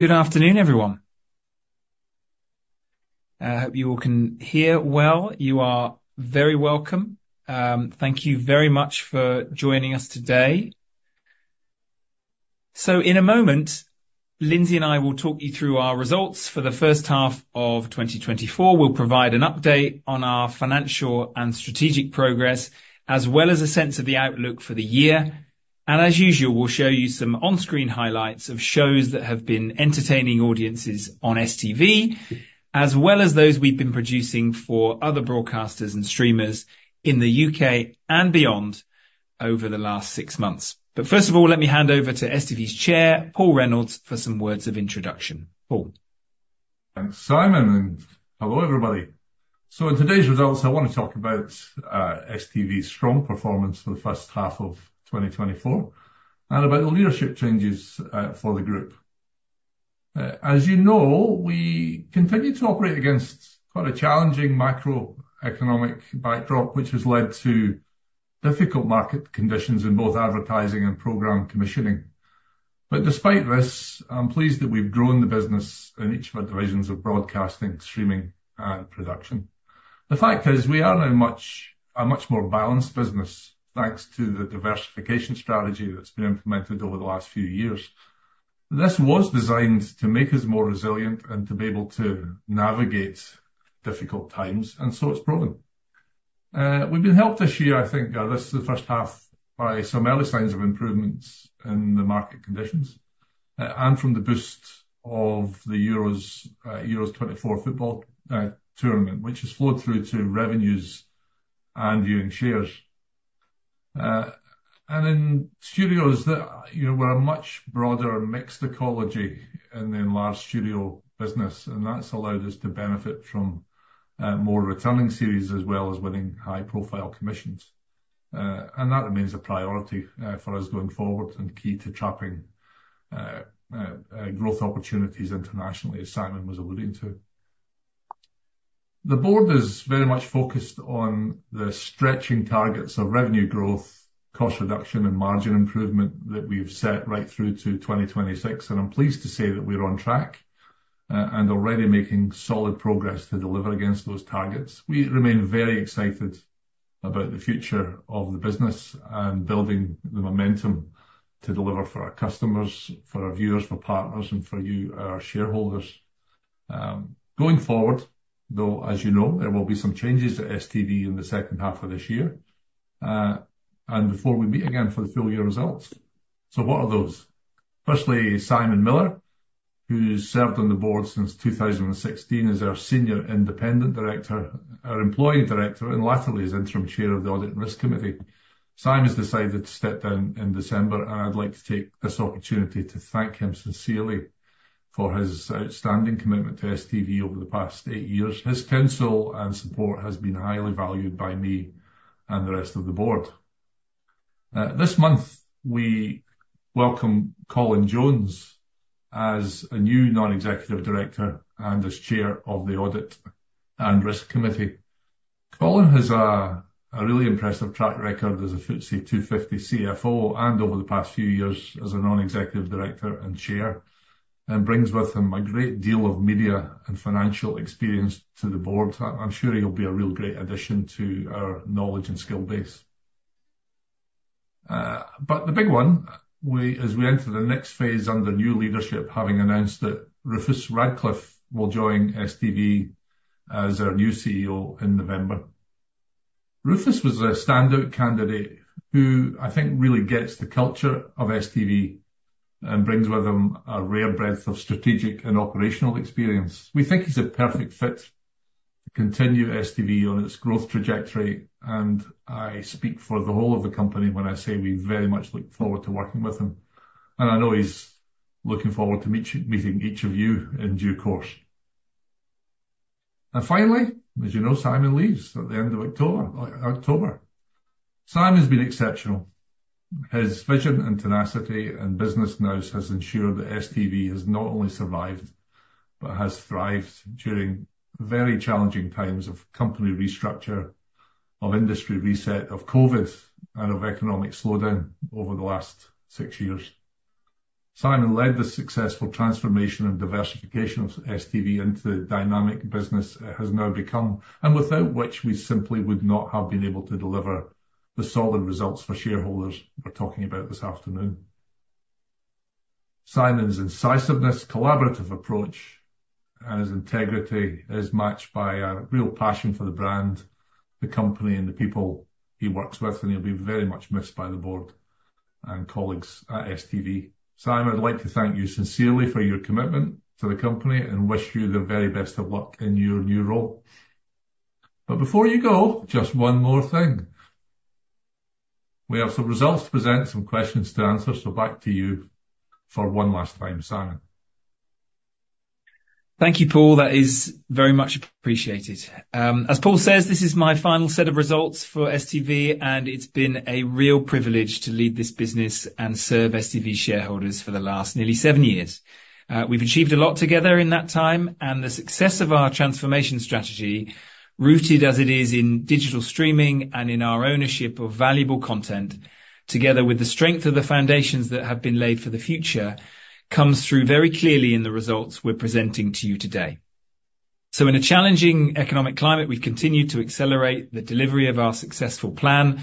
Good afternoon, everyone. I hope you all can hear well. You are very welcome. Thank you very much for joining us today. So in a moment, Lindsay and I will talk you through our results for the first half of 2024. We'll provide an update on our financial and strategic progress, as well as a sense of the outlook for the year, and as usual, we'll show you some on-screen highlights of shows that have been entertaining audiences on STV, as well as those we've been producing for other broadcasters and streamers in the U.K. and beyond over the last six months, but first of all, let me hand over to STV's Chair, Paul Reynolds, for some words of introduction. Paul. Thanks, Simon, and hello, everybody. So in today's results, I wanna talk about STV's strong performance for the first half of twenty twenty-four, and about the leadership changes for the group. As you know, we continued to operate against quite a challenging macroeconomic backdrop, which has led to difficult market conditions in both advertising and program commissioning. But despite this, I'm pleased that we've grown the business in each of our divisions of broadcasting, streaming, and production. The fact is, we are now much more balanced business, thanks to the diversification strategy that's been implemented over the last few years. This was designed to make us more resilient and to be able to navigate difficult times, and so it's proven. We've been helped this year, I think, this is the first half, by some early signs of improvements in the market conditions, and from the boost of the Euros 2024 football tournament, which has flowed through to revenues and viewing shares. And in Studios that, you know, we're a much broader, mixed economy in the enlarged studio business, and that's allowed us to benefit from more returning series, as well as winning high-profile commissions. And that remains a priority for us going forward and key to tapping growth opportunities internationally, as Simon was alluding to. The board is very much focused on the stretching targets of revenue growth, cost reduction, and margin improvement that we've set right through to 2026, and I'm pleased to say that we're on track, and already making solid progress to deliver against those targets. We remain very excited about the future of the business and building the momentum to deliver for our customers, for our viewers, for partners, and for you, our shareholders. Going forward, though, as you know, there will be some changes at STV in the second half of this year, and before we meet again for the full year results. So what are those? Firstly, Simon Miller, who's served on the board since 2016 as our Senior Independent Director, our employee director, and latterly, as interim chair of the Audit and Risk Committee. Simon has decided to step down in December, and I'd like to take this opportunity to thank him sincerely for his outstanding commitment to STV over the past eight years. His counsel and support has been highly valued by me and the rest of the board. This month, we welcome Colin Jones as a new Non-Executive Director and as Chair of the Audit and Risk Committee. Colin has a really impressive track record as a FTSE 250 CFO and over the past few years as a Non-Executive Director and Chair, and brings with him a great deal of media and financial experience to the board. I'm sure he'll be a real great addition to our knowledge and skill base. But the big one, as we enter the next phase under new leadership, having announced that Rufus Radcliffe will join STV as our new CEO in November. Rufus was a standout candidate who I think really gets the culture of STV and brings with him a rare breadth of strategic and operational experience. We think he's a perfect fit to continue STV on its growth trajectory, and I speak for the whole of the company when I say we very much look forward to working with him, and I know he's looking forward to meeting each of you in due course. And finally, as you know, Simon leaves at the end of October. Simon has been exceptional. His vision and tenacity and business nous has ensured that STV has not only survived, but has thrived during very challenging times of company restructure, of industry reset, of COVID, and of economic slowdown over the last six years. Simon led the successful transformation and diversification of STV into the dynamic business it has now become, and without which we simply would not have been able to deliver the solid results for shareholders we're talking about this afternoon. Simon's incisiveness, collaborative approach, and his integrity is matched by a real passion for the brand, the company, and the people he works with, and he'll be very much missed by the board and colleagues at STV. Simon, I'd like to thank you sincerely for your commitment to the company and wish you the very best of luck in your new role. But before you go, just one more thing. We have some results to present, some questions to answer, so back to you for one last time, Simon. Thank you, Paul. That is very much appreciated. As Paul says, this is my final set of results for STV, and it's been a real privilege to lead this business and serve STV shareholders for the last nearly seven years. We've achieved a lot together in that time, and the success of our transformation strategy, rooted as it is in digital streaming and in our ownership of valuable content, together with the strength of the foundations that have been laid for the future, comes through very clearly in the results we're presenting to you today.... So in a challenging economic climate, we've continued to accelerate the delivery of our successful plan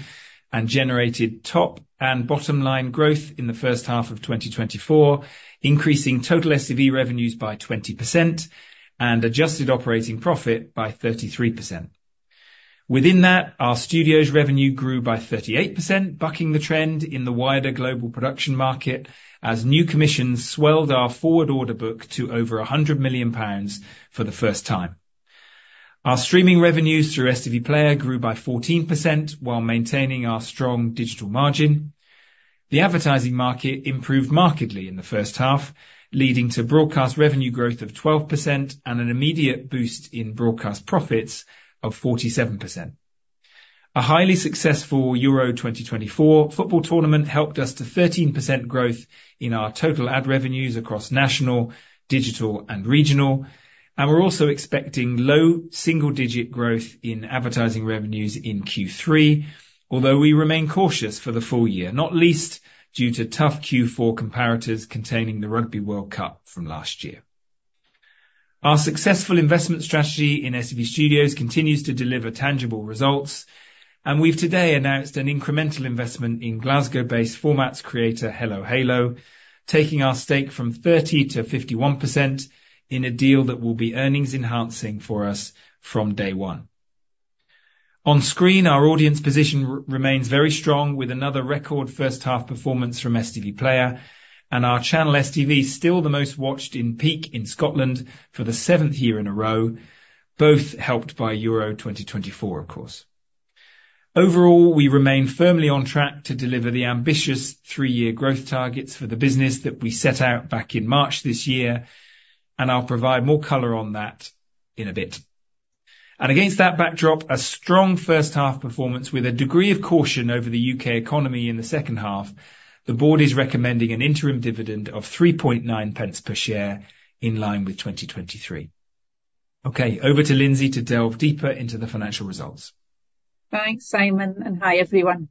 and generated top and bottom line growth in the first half of 2024, increasing total STV revenues by 20% and adjusted operating profit by 33%. Within that, our Studios revenue grew by 38%, bucking the trend in the wider global production market as new commissions swelled our forward order book to over 100 million pounds for the first time. Our streaming revenues through STV Player grew by 14%, while maintaining our strong digital margin. The advertising market improved markedly in the first half, leading to broadcast revenue growth of 12% and an immediate boost in broadcast profits of 47%. A highly successful Euro 2024 football tournament helped us to 13% growth in our total ad revenues across national, digital, and regional, and we're also expecting low single-digit growth in advertising revenues in Q3, although we remain cautious for the full year, not least due to tough Q4 comparators containing the Rugby World Cup from last year. Our successful investment strategy in STV Studios continues to deliver tangible results, and we've today announced an incremental investment in Glasgow-based formats creator, Hello Halo, taking our stake from 30 to 51% in a deal that will be earnings enhancing for us from day one. On screen, our audience position remains very strong, with another record first half performance from STV Player, and our channel, STV, still the most watched in peak in Scotland for the seventh year in a row, both helped by Euro 2024, of course. Overall, we remain firmly on track to deliver the ambitious 3-year growth targets for the business that we set out back in March this year, and I'll provide more color on that in a bit. Against that backdrop, a strong first half performance with a degree of caution over the U.K. economy in the second half. The board is recommending an interim dividend of 3.9 pence per share in line with 2023. Okay, over to Lindsay to delve deeper into the financial results. Thanks, Simon, and hi, everyone.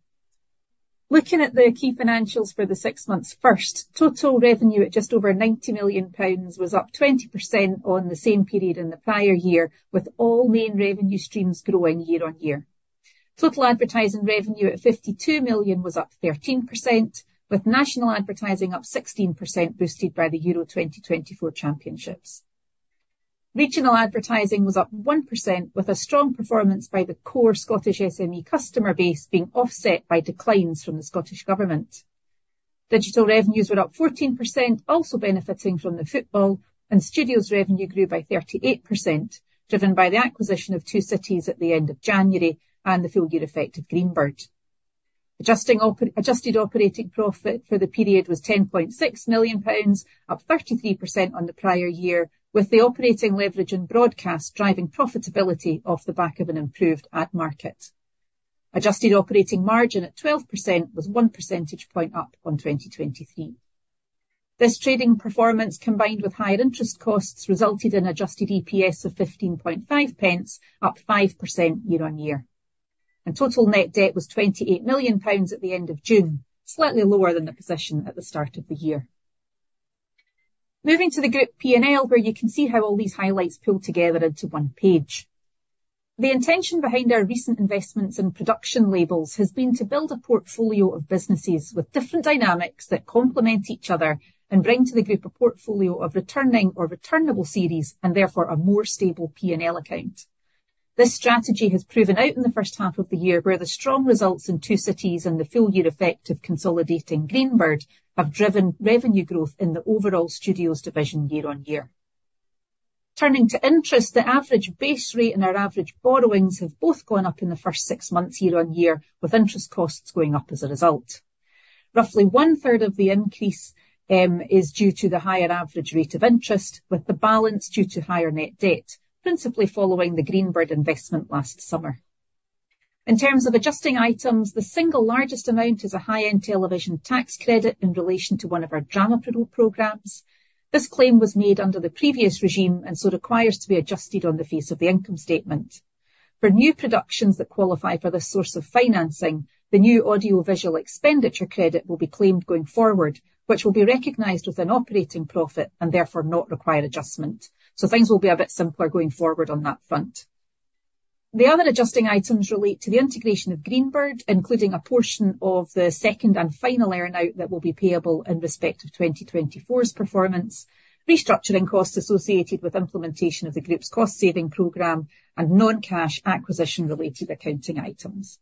Looking at the key financials for the six months, first, total revenue at just over 90 million pounds was up 20% on the same period in the prior year, with all main revenue streams growing year on year. Total advertising revenue at 52 million was up 13%, with national advertising up 16%, boosted by the Euro 2024 championships. Regional advertising was up 1%, with a strong performance by the core Scottish SME customer base being offset by declines from the Scottish Government. Digital revenues were up 14%, also benefiting from the football, and Studios revenue grew by 38%, driven by the acquisition of Two Cities at the end of January and the full year effect of Greenbird. Adjusted operating profit for the period was 10.6 million pounds, up 33% on the prior year, with the operating leverage in broadcast driving profitability off the back of an improved ad market. Adjusted operating margin at 12% was one percentage point up on 2023. This trading performance, combined with higher interest costs, resulted in adjusted EPS of 15.5 pence, up 5% year on year. Total net debt was 28 million pounds at the end of June, slightly lower than the position at the start of the year. Moving to the group P&L, where you can see how all these highlights pull together into one page. The intention behind our recent investments in production labels has been to build a portfolio of businesses with different dynamics that complement each other and bring to the group a portfolio of returning or returnable series and therefore a more stable P&L account. This strategy has proven out in the first half of the year, where the strong results in Two Cities and the full year effect of consolidating Greenbird have driven revenue growth in the overall Studios division year on year. Turning to interest, the average base rate and our average borrowings have both gone up in the first six months, year on year, with interest costs going up as a result. Roughly one-third of the increase is due to the higher average rate of interest, with the balance due to higher net debt, principally following the Greenbird investment last summer. In terms of adjusting items, the single largest amount is a high-end television tax credit in relation to one of our drama production programs. This claim was made under the previous regime and so requires to be adjusted on the face of the income statement. For new productions that qualify for this source of financing, the new Audio-Visual Expenditure Credit will be claimed going forward, which will be recognized as an operating profit and therefore not require adjustment. So things will be a bit simpler going forward on that front. The other adjusting items relate to the integration of Greenbird, including a portion of the second and final earn-out that will be payable in respect of twenty twenty-four's performance, restructuring costs associated with implementation of the group's cost-saving program, and non-cash acquisition-related accounting items.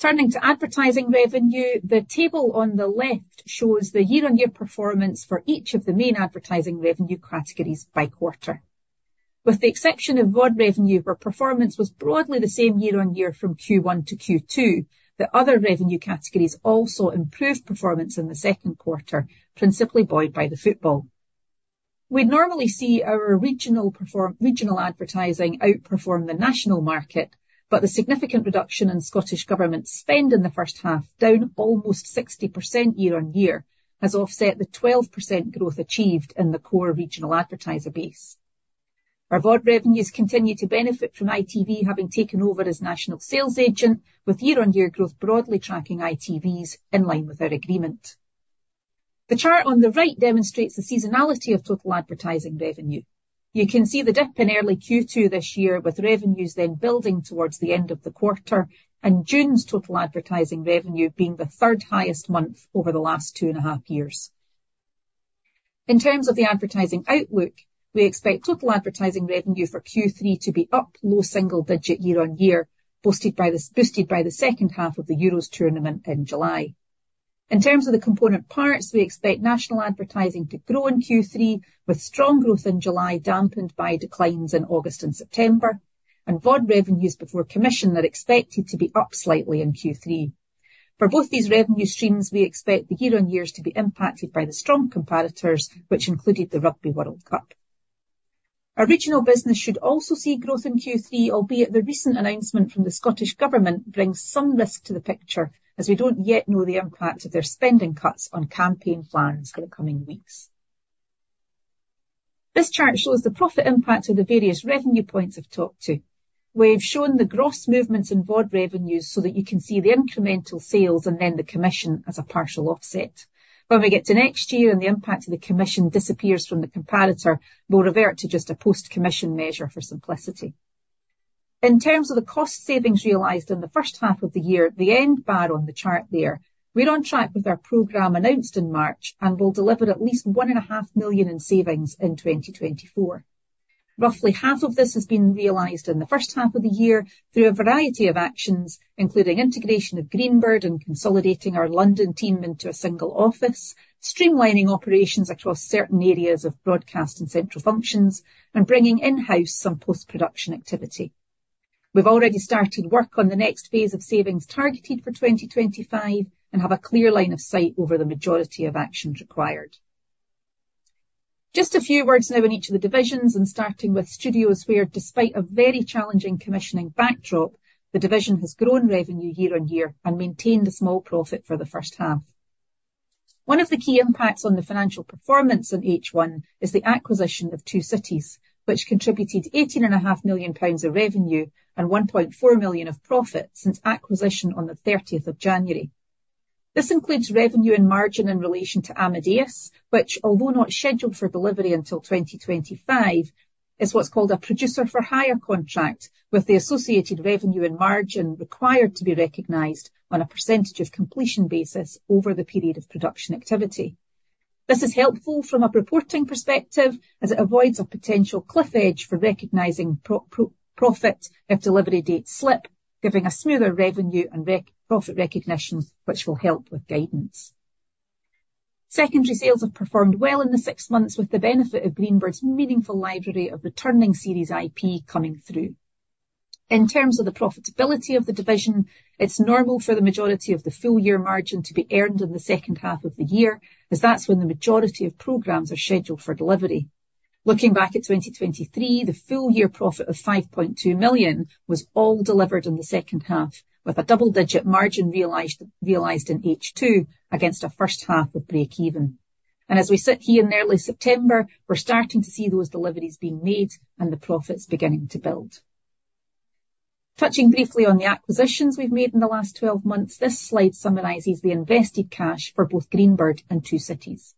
Turning to advertising revenue, the table on the left shows the year-on-year performance for each of the main advertising revenue categories by quarter. With the exception of VOD revenue, where performance was broadly the same year on year from Q1 to Q2, the other revenue categories also improved performance in the second quarter, principally buoyed by the football. We'd normally see our regional advertising outperform the national market, but the significant reduction in Scottish Government spend in the first half, down almost 60% year on year, has offset the 12% growth achieved in the core regional advertiser base. Our VOD revenues continue to benefit from ITV having taken over as national sales agent, with year-on-year growth broadly tracking ITV's in line with our agreement. The chart on the right demonstrates the seasonality of total advertising revenue. You can see the dip in early Q2 this year, with revenues then building towards the end of the quarter, and June's total advertising revenue being the third highest month over the last two and a half years. In terms of the advertising outlook, we expect total advertising revenue for Q3 to be up low single digit year-on-year, boosted by the second half of the Euros tournament in July. In terms of the component parts, we expect national advertising to grow in Q3, with strong growth in July dampened by declines in August and September, and VOD revenues before commission are expected to be up slightly in Q3. For both these revenue streams, we expect the year-on-years to be impacted by the strong comparators, which included the Rugby World Cup. Our regional business should also see growth in Q3, albeit the recent announcement from the Scottish Government brings some risk to the picture, as we don't yet know the impact of their spending cuts on campaign plans for the coming weeks. This chart shows the profit impact of the various revenue points I've talked to. We've shown the gross movements in VOD revenues so that you can see the incremental sales and then the commission as a partial offset. When we get to next year and the impact of the commission disappears from the comparator, we'll revert to just a post-commission measure for simplicity. In terms of the cost savings realized in the first half of the year, the end bar on the chart there, we're on track with our program announced in March, and we'll deliver at least 1.5 million in savings in 2024. Roughly half of this has been realized in the first half of the year through a variety of actions, including integration of Greenbird and consolidating our London team into a single office, streamlining operations across certain areas of broadcast and central functions, and bringing in-house some post-production activity. We've already started work on the next phase of savings targeted for twenty twenty-five and have a clear line of sight over the majority of actions required. Just a few words now in each of the divisions, and starting with Studios, where despite a very challenging commissioning backdrop, the division has grown revenue year on year and maintained a small profit for the first half. One of the key impacts on the financial performance in H1 is the acquisition of Two Cities, which contributed 18.5 million pounds of revenue and 1.4 million of profit since acquisition on the thirtieth of January. This includes revenue and margin in relation to Amadeus, which, although not scheduled for delivery until 2025, is what's called a producer-for-hire contract, with the associated revenue and margin required to be recognized on a percentage of completion basis over the period of production activity. This is helpful from a reporting perspective, as it avoids a potential cliff edge for recognizing profit if delivery dates slip, giving a smoother revenue and profit recognitions, which will help with guidance. Secondary sales have performed well in the six months, with the benefit of Greenbird's meaningful library of returning series IP coming through. In terms of the profitability of the division, it's normal for the majority of the full year margin to be earned in the second half of the year, as that's when the majority of programs are scheduled for delivery. Looking back at 2023, the full-year profit of 5.2 million was all delivered in the second half, with a double-digit margin realized in H2 against a first half of break-even. As we sit here in early September, we're starting to see those deliveries being made and the profits beginning to build. Touching briefly on the acquisitions we've made in the last twelve months, this slide summarizes the invested cash for both Greenbird and Two Cities.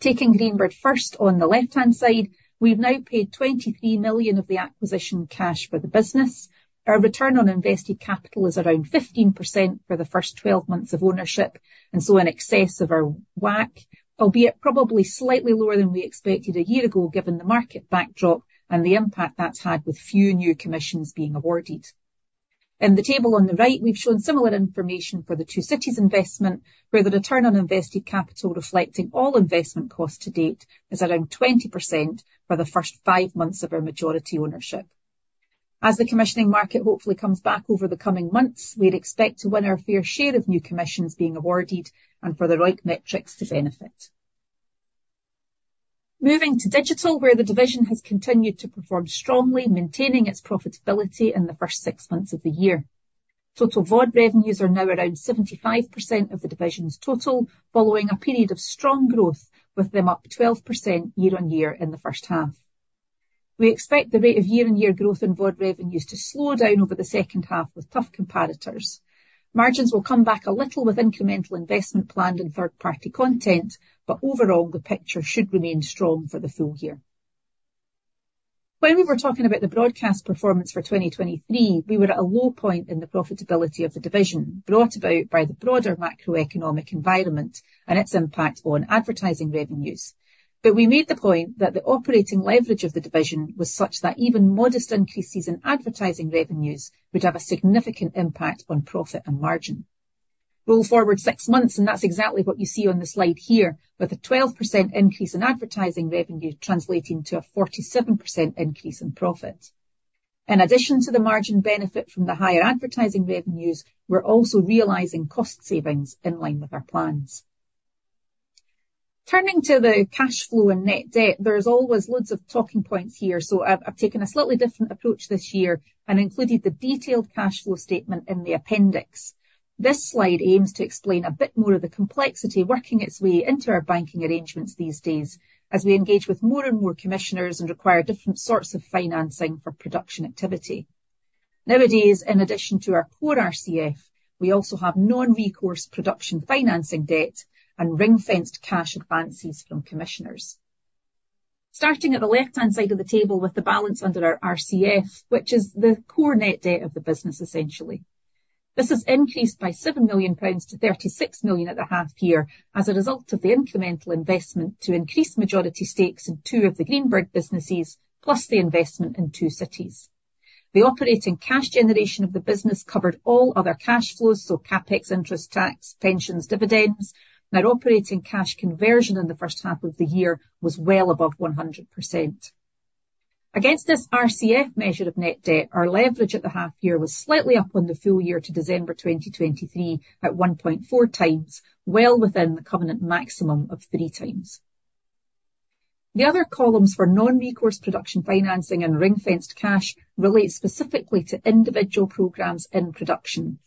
Taking Greenbird first, on the left-hand side, we've now paid 23 million of the acquisition cash for the business. Our return on invested capital is around 15% for the first 12 months of ownership, and so in excess of our WACC, albeit probably slightly lower than we expected a year ago, given the market backdrop and the impact that's had with few new commissions being awarded. In the table on the right, we've shown similar information for the Two Cities investment, where the return on invested capital, reflecting all investment costs to date, is around 20% for the first five months of our majority ownership. As the commissioning market hopefully comes back over the coming months, we'd expect to win our fair share of new commissions being awarded and for the right metrics to benefit. Moving to Digital, where the division has continued to perform strongly, maintaining its profitability in the first six months of the year. Total VOD revenues are now around 75% of the division's total, following a period of strong growth, with them up 12% year on year in the first half. We expect the rate of year-on-year growth in VOD revenues to slow down over the second half with tough comparators. Margins will come back a little with incremental investment planned in third-party content, but overall, the picture should remain strong for the full year. When we were talking about the broadcast performance for 2023, we were at a low point in the profitability of the division, brought about by the broader macroeconomic environment and its impact on advertising revenues. But we made the point that the operating leverage of the division was such that even modest increases in advertising revenues would have a significant impact on profit and margin. Roll forward six months, and that's exactly what you see on the slide here, with a 12% increase in advertising revenue translating to a 47% increase in profit. In addition to the margin benefit from the higher advertising revenues, we're also realizing cost savings in line with our plans. Turning to the cash flow and Net Debt, there's always loads of talking points here, so I've taken a slightly different approach this year and included the detailed cash flow statement in the appendix. This slide aims to explain a bit more of the complexity working its way into our banking arrangements these days, as we engage with more and more commissioners and require different sorts of financing for production activity. Nowadays, in addition to our core RCF, we also have non-recourse production financing debt and ring-fenced cash advances from commissioners. Starting at the left-hand side of the table with the balance under our RCF, which is the core net debt of the business, essentially. This has increased by 7 million pounds to 36 million at the half year as a result of the incremental investment to increase majority stakes in two of the Greenbird businesses, plus the investment in Two Cities. The operating cash generation of the business covered all other cash flows, so CapEx, interest, tax, pensions, dividends. Net operating cash conversion in the first half of the year was well above 100%. Against this RCF measure of net debt, our leverage at the half year was slightly up on the full year to December 2023, at 1.4 times, well within the covenant maximum of 3 times. The other columns for non-recourse production financing and ring-fenced cash relate specifically to individual programs in production.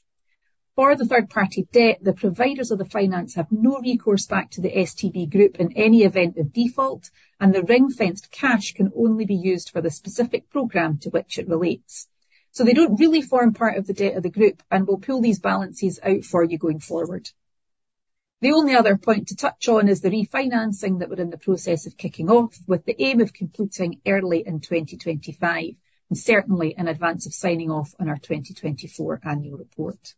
For the third-party debt, the providers of the finance have no recourse back to the STV Group in any event of default, and the ring-fenced cash can only be used for the specific program to which it relates. So they don't really form part of the debt of the group, and we'll pull these balances out for you going forward. The only other point to touch on is the refinancing that we're in the process of kicking off, with the aim of completing early in 2025, and certainly in advance of signing off on our 2024 annual report.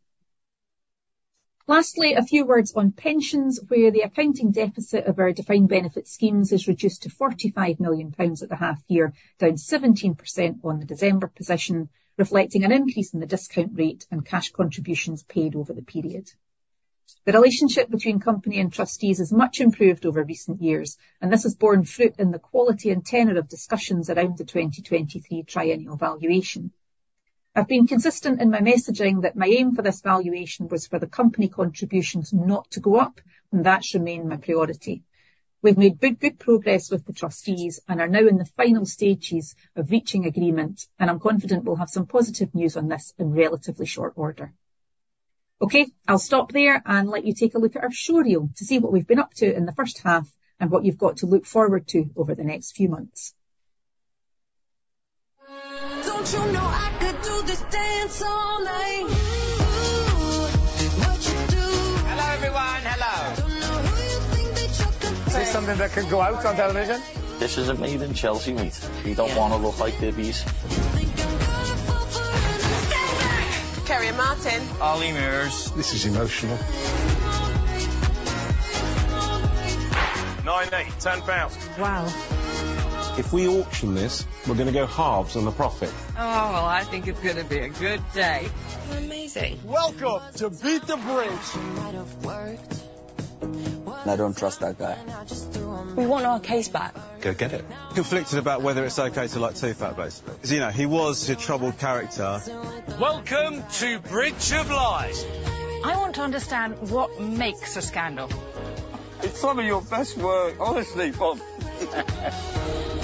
Lastly, a few words on pensions, where the accounting deficit of our defined benefit schemes is reduced to 45 million pounds at the half year, down 17% on the December position, reflecting an increase in the discount rate and cash contributions paid over the period. The relationship between the Company and the trustees has much improved over recent years, and this has borne fruit in the quality and tenor of discussions around the 2023 triennial valuation. I've been consistent in my messaging that my aim for this valuation was for the Company contributions not to go up, and that's remained my priority. We've made good, good progress with the trustees and are now in the final stages of reaching agreement, and I'm confident we'll have some positive news on this in relatively short order. Okay, I'll stop there and let you take a look at our showreel to see what we've been up to in the first half and what you've got to look forward to over the next few months. Don't you know I could do this dance all night? Ooh, what you do- Hello, everyone. Hello. Don't know who you think that you're pretending- Is this something that can go out on television? This isn't Made in Chelsea meet. You don't wanna look like dibbies. You think I'm gonna fall for it. Stand back! Kerry and Martin. Olly Murs. This is emotional. nine eighty, 10 pounds. Wow. If we auction this, we're gonna go halves on the profit. Oh, well, I think it's gonna be a good day. You're amazing. Welcome to Beat the Bridge. She might have worked. I don't trust that guy. I just threw him. We want our case back. Go get it. Conflicted about whether it's okay to like Too Fat Basics. 'Cause, you know, he was a troubled character. Welcome to Bridge of Lies. I want to understand what makes a scandal. It's some of your best work, honestly, Bob. I really know your type. Tom, what are you doing?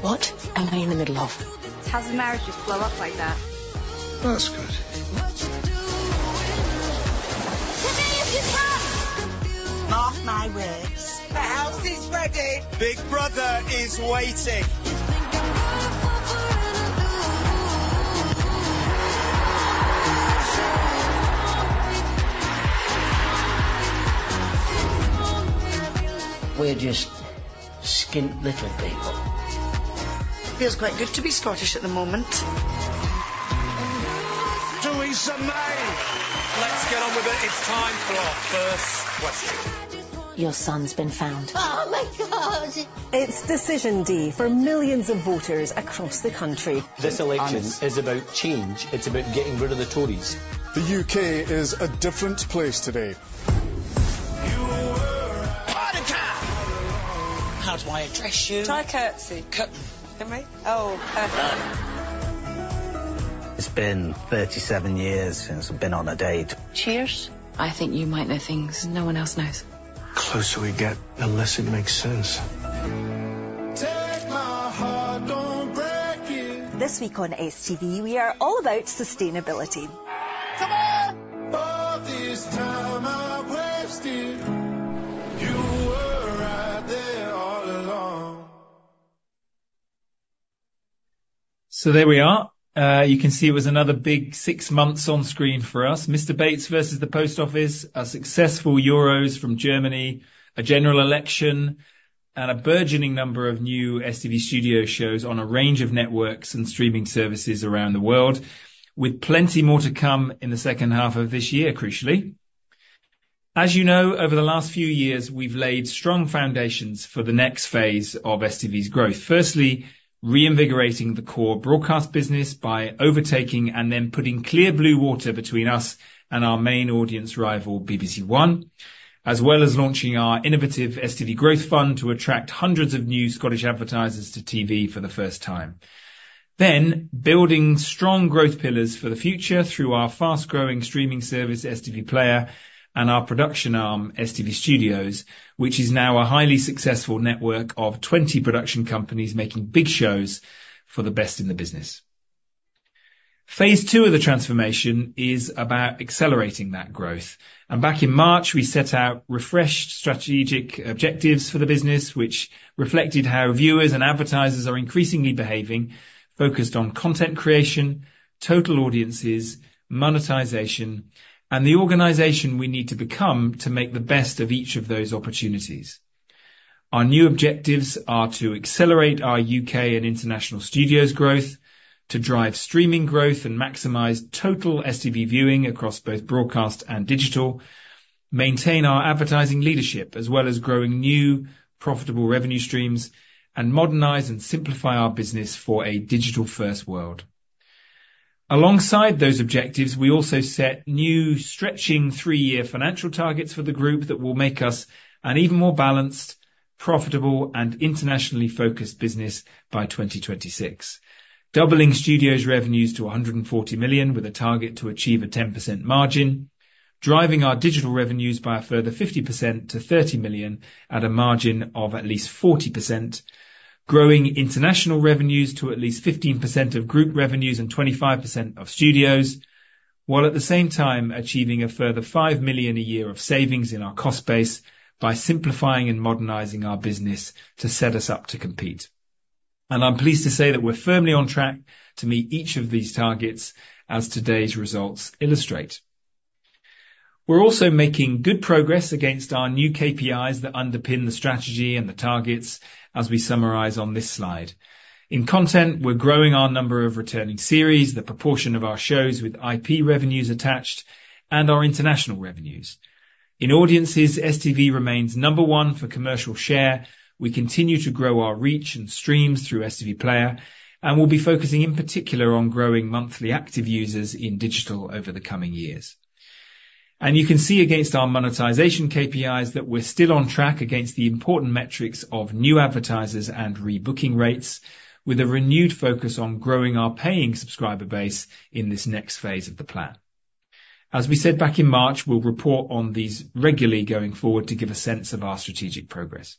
What am I in the middle of? How do marriages blow up like that? Well, that's good. What you do. Come here if you can! Mark my words, the house is ready. Big Brother is waiting. You think I'm gonna fall for another... We're just skint little people. Feels quite good to be Scottish at the moment. Theresa May. Let's get on with it. It's time for our first question. Your son's been found. Oh, my God! It's decision day for millions of voters across the country. This election is about change. It's about getting rid of the Tories. The U.K. is a different place today. Party time! How do I address you? Try curtsy. Curtsy. Can we? Oh, perfect. It's been thirty-seven years since we've been on a date. Cheers. I think you might know things no one else knows. The closer we get, the less it makes sense. Take my heart, don't break it. This week on STV, we are all about sustainability. Come on! All this time I've wasted. You were right there all along. So there we are. You can see it was another big six months on screen for us. Mr Bates vs The Post Office, a successful Euros from Germany, a general election, and a burgeoning number of new STV Studios shows on a range of networks and streaming services around the world, with plenty more to come in the second half of this year, crucially. As you know, over the last few years, we've laid strong foundations for the next phase of STV's growth. Firstly, reinvigorating the core broadcast business by overtaking and then putting clear blue water between us and our main audience rival, BBC One, as well as launching our innovative STV Growth Fund to attract hundreds of new Scottish advertisers to TV for the first time. Then, building strong growth pillars for the future through our fast-growing streaming service, STV Player, and our production arm, STV Studios, which is now a highly successful network of 20 production companies making big shows for the best in the business.... Phase two of the transformation is about accelerating that growth. And back in March, we set out refreshed strategic objectives for the business, which reflected how viewers and advertisers are increasingly behaving, focused on content creation, total audiences, monetization, and the organization we need to become to make the best of each of those opportunities. Our new objectives are to accelerate our U.K. and international studios growth, to drive streaming growth and maximize total STV viewing across both broadcast and digital, maintain our advertising leadership, as well as growing new profitable revenue streams, and modernize and simplify our business for a digital-first world. Alongside those objectives, we also set new, stretching, three-year financial targets for the group that will make us an even more balanced, profitable, and internationally focused business by twenty twenty-six. Doubling Studios revenues to 140 million, with a target to achieve a 10% margin, driving our digital revenues by a further 50% to 30 million at a margin of at least 40%, growing international revenues to at least 15% of group revenues and 25% of Studios, while at the same time achieving a further 5 million a year of savings in our cost base by simplifying and modernizing our business to set us up to compete. And I'm pleased to say that we're firmly on track to meet each of these targets, as today's results illustrate. We're also making good progress against our new KPIs that underpin the strategy and the targets as we summarize on this slide. In content, we're growing our number of returning series, the proportion of our shows with IP revenues attached, and our international revenues. In audiences, STV remains number one for commercial share. We continue to grow our reach and streams through STV Player, and we'll be focusing in particular on growing monthly active users in digital over the coming years. And you can see against our monetization KPIs that we're still on track against the important metrics of new advertisers and rebooking rates, with a renewed focus on growing our paying subscriber base in this next phase of the plan. As we said back in March, we'll report on these regularly going forward to give a sense of our strategic progress.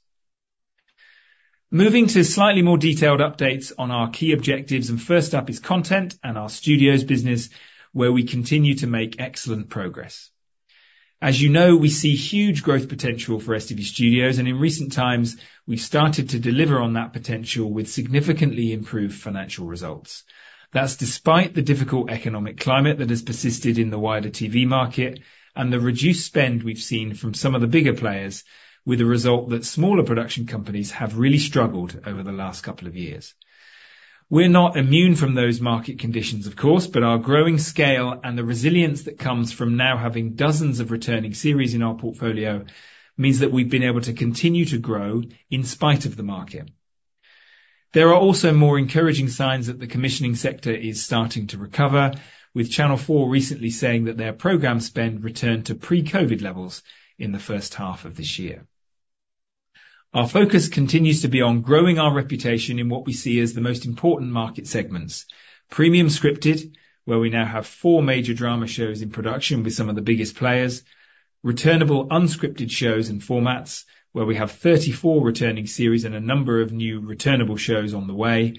Moving to slightly more detailed updates on our key objectives, and first up is content and our Studios business, where we continue to make excellent progress. As you know, we see huge growth potential for STV Studios, and in recent times, we've started to deliver on that potential with significantly improved financial results. That's despite the difficult economic climate that has persisted in the wider TV market and the reduced spend we've seen from some of the bigger players, with a result that smaller production companies have really struggled over the last couple of years. We're not immune from those market conditions, of course, but our growing scale and the resilience that comes from now having dozens of returning series in our portfolio, means that we've been able to continue to grow in spite of the market. There are also more encouraging signs that the commissioning sector is starting to recover, with Channel 4 recently saying that their program spend returned to pre-COVID levels in the first half of this year. Our focus continues to be on growing our reputation in what we see as the most important market segments. Premium scripted, where we now have four major drama shows in production with some of the biggest players. Returnable, unscripted shows and formats, where we have 34 returning series and a number of new returnable shows on the way.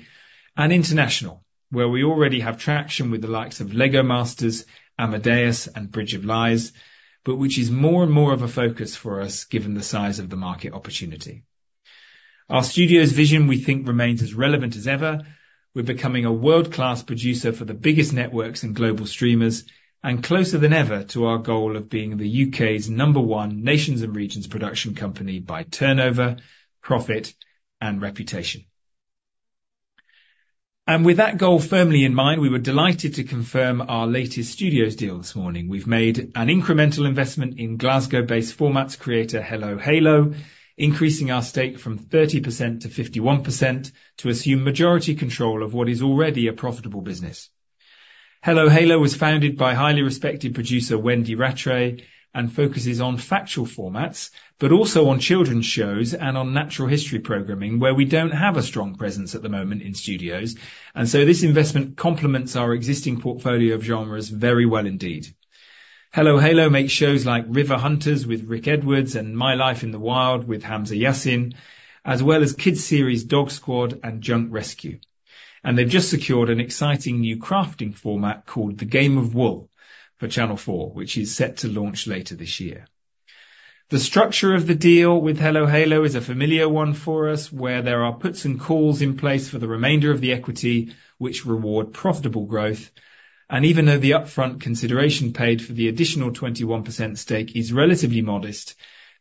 And international, where we already have traction with the likes of Lego Masters, Amadeus, and Bridge of Lies, but which is more and more of a focus for us, given the size of the market opportunity. Our Studios vision, we think, remains as relevant as ever. We're becoming a world-class producer for the biggest networks and global streamers, and closer than ever to our goal of being the U.K.'s number one nations and regions production company by turnover, profit, and reputation. With that goal firmly in mind, we were delighted to confirm our latest Studios deal this morning. We've made an incremental investment in Glasgow-based formats creator, Hello Halo, increasing our stake from 30%-51% to assume majority control of what is already a profitable business. Hello Halo was founded by highly respected producer, Wendy Rattray, and focuses on factual formats, but also on children's shows and on natural history programming, where we don't have a strong presence at the moment in Studios, and so this investment complements our existing portfolio of genres very well indeed. Hello Halo makes shows like River Hunters with Rick Edwards and My Life in the Wild with Hamza Yassin, as well as kids series, Dog Squad and Junk Rescue. They've just secured an exciting new crafting format called The Game of Wool for Channel 4, which is set to launch later this year. The structure of the deal with Hello Halo is a familiar one for us, where there are puts and calls in place for the remainder of the equity, which reward profitable growth. Even though the upfront consideration paid for the additional 21% stake is relatively modest,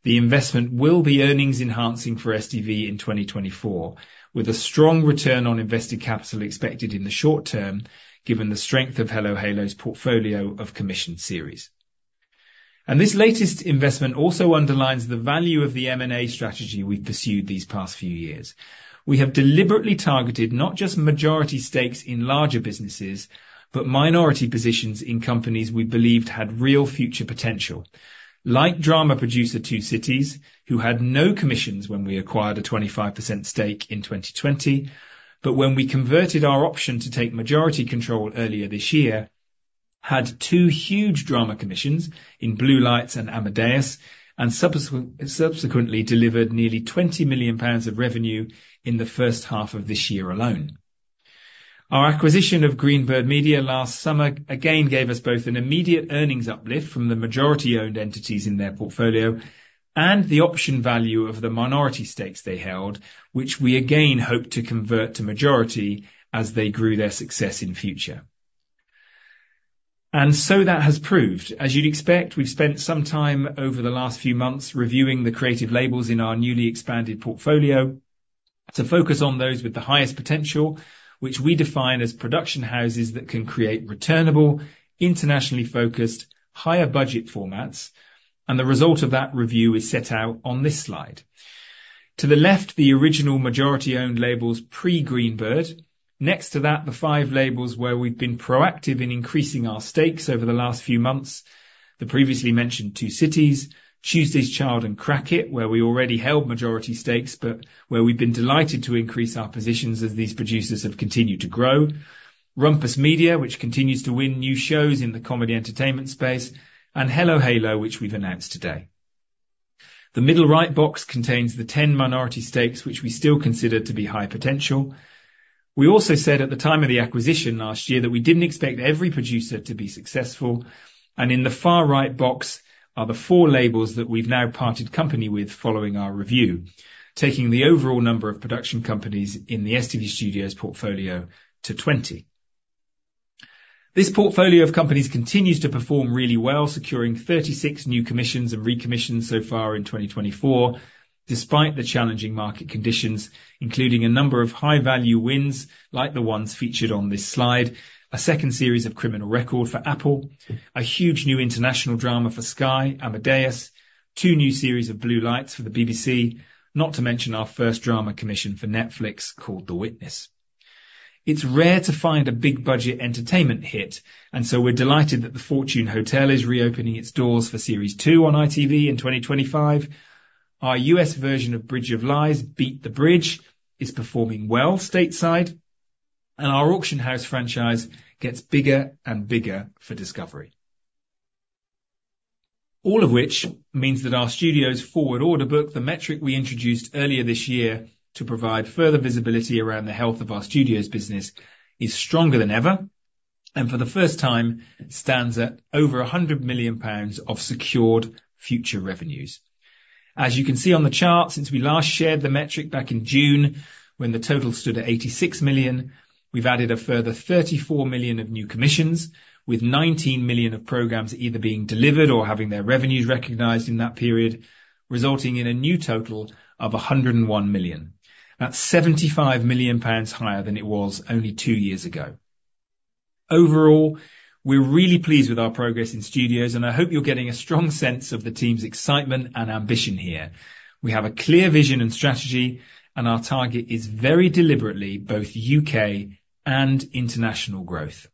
the investment will be earnings-enhancing for STV in 2024, with a strong return on invested capital expected in the short term, given the strength of Hello Halo's portfolio of commissioned series. This latest investment also underlines the value of the M&A strategy we've pursued these past few years. We have deliberately targeted not just majority stakes in larger businesses, but minority positions in companies we believed had real future potential. Like drama producer Two Cities, who had no commissions when we acquired a 25% stake in 2020, but when we converted our option to take majority control earlier this year, had two huge drama commissions in Blue Lights and Amadeus, and subsequently delivered nearly 20 million pounds of revenue in the first half of this year alone. Our acquisition of Greenbird Media last summer, again, gave us both an immediate earnings uplift from the majority-owned entities in their portfolio and the option value of the minority stakes they held, which we again hope to convert to majority as they grew their success in future. That has proved. As you'd expect, we've spent some time over the last few months reviewing the creative labels in our newly expanded portfolio to focus on those with the highest potential, which we define as production houses that can create returnable, internationally focused, higher budget formats, and the result of that review is set out on this slide. To the left, the original majority-owned labels pre-Greenbird. Next to that, the five labels where we've been proactive in increasing our stakes over the last few months. The previously mentioned Two Cities, Tuesday's Child and Crackit, where we already held majority stakes, but where we've been delighted to increase our positions as these producers have continued to grow. Rumpus Media, which continues to win new shows in the comedy entertainment space, and Hello Halo, which we've announced today. The middle right box contains the ten minority stakes, which we still consider to be high potential. We also said at the time of the acquisition last year, that we didn't expect every producer to be successful, and in the far right box are the four labels that we've now parted company with following our review, taking the overall number of production companies in the STV Studios portfolio to twenty. This portfolio of companies continues to perform really well, securing thirty-six new commissions and recommissions so far in twenty twenty-four, despite the challenging market conditions, including a number of high-value wins like the ones featured on this slide. A second series of Criminal Record for Apple, a huge new international drama for Sky, Amadeus, two new series of Blue Lights for the BBC, not to mention our first drama commission for Netflix called The Witness. It's rare to find a big-budget entertainment hit, and so we're delighted that The Fortune Hotel is reopening its doors for Series two on ITV in 2025. Our U.S. version of Bridge of Lies, Beat the Bridge, is performing well stateside, and our Auction House franchise gets bigger and bigger for Discovery. All of which means that our Studios' forward order book, the metric we introduced earlier this year to provide further visibility around the health of our Studios business, is stronger than ever, and for the first time, stands at over 100 million pounds of secured future revenues. As you can see on the chart, since we last shared the metric back in June, when the total stood at 86 million, we've added a further 34 million of new commissions, with 19 million of programs either being delivered or having their revenues recognized in that period, resulting in a new total of 101 million. That's 75 million pounds higher than it was only two years ago. Overall, we're really pleased with our progress in Studios, and I hope you're getting a strong sense of the team's excitement and ambition here. We have a clear vision and strategy, and our target is very deliberately both U.K. and international growth.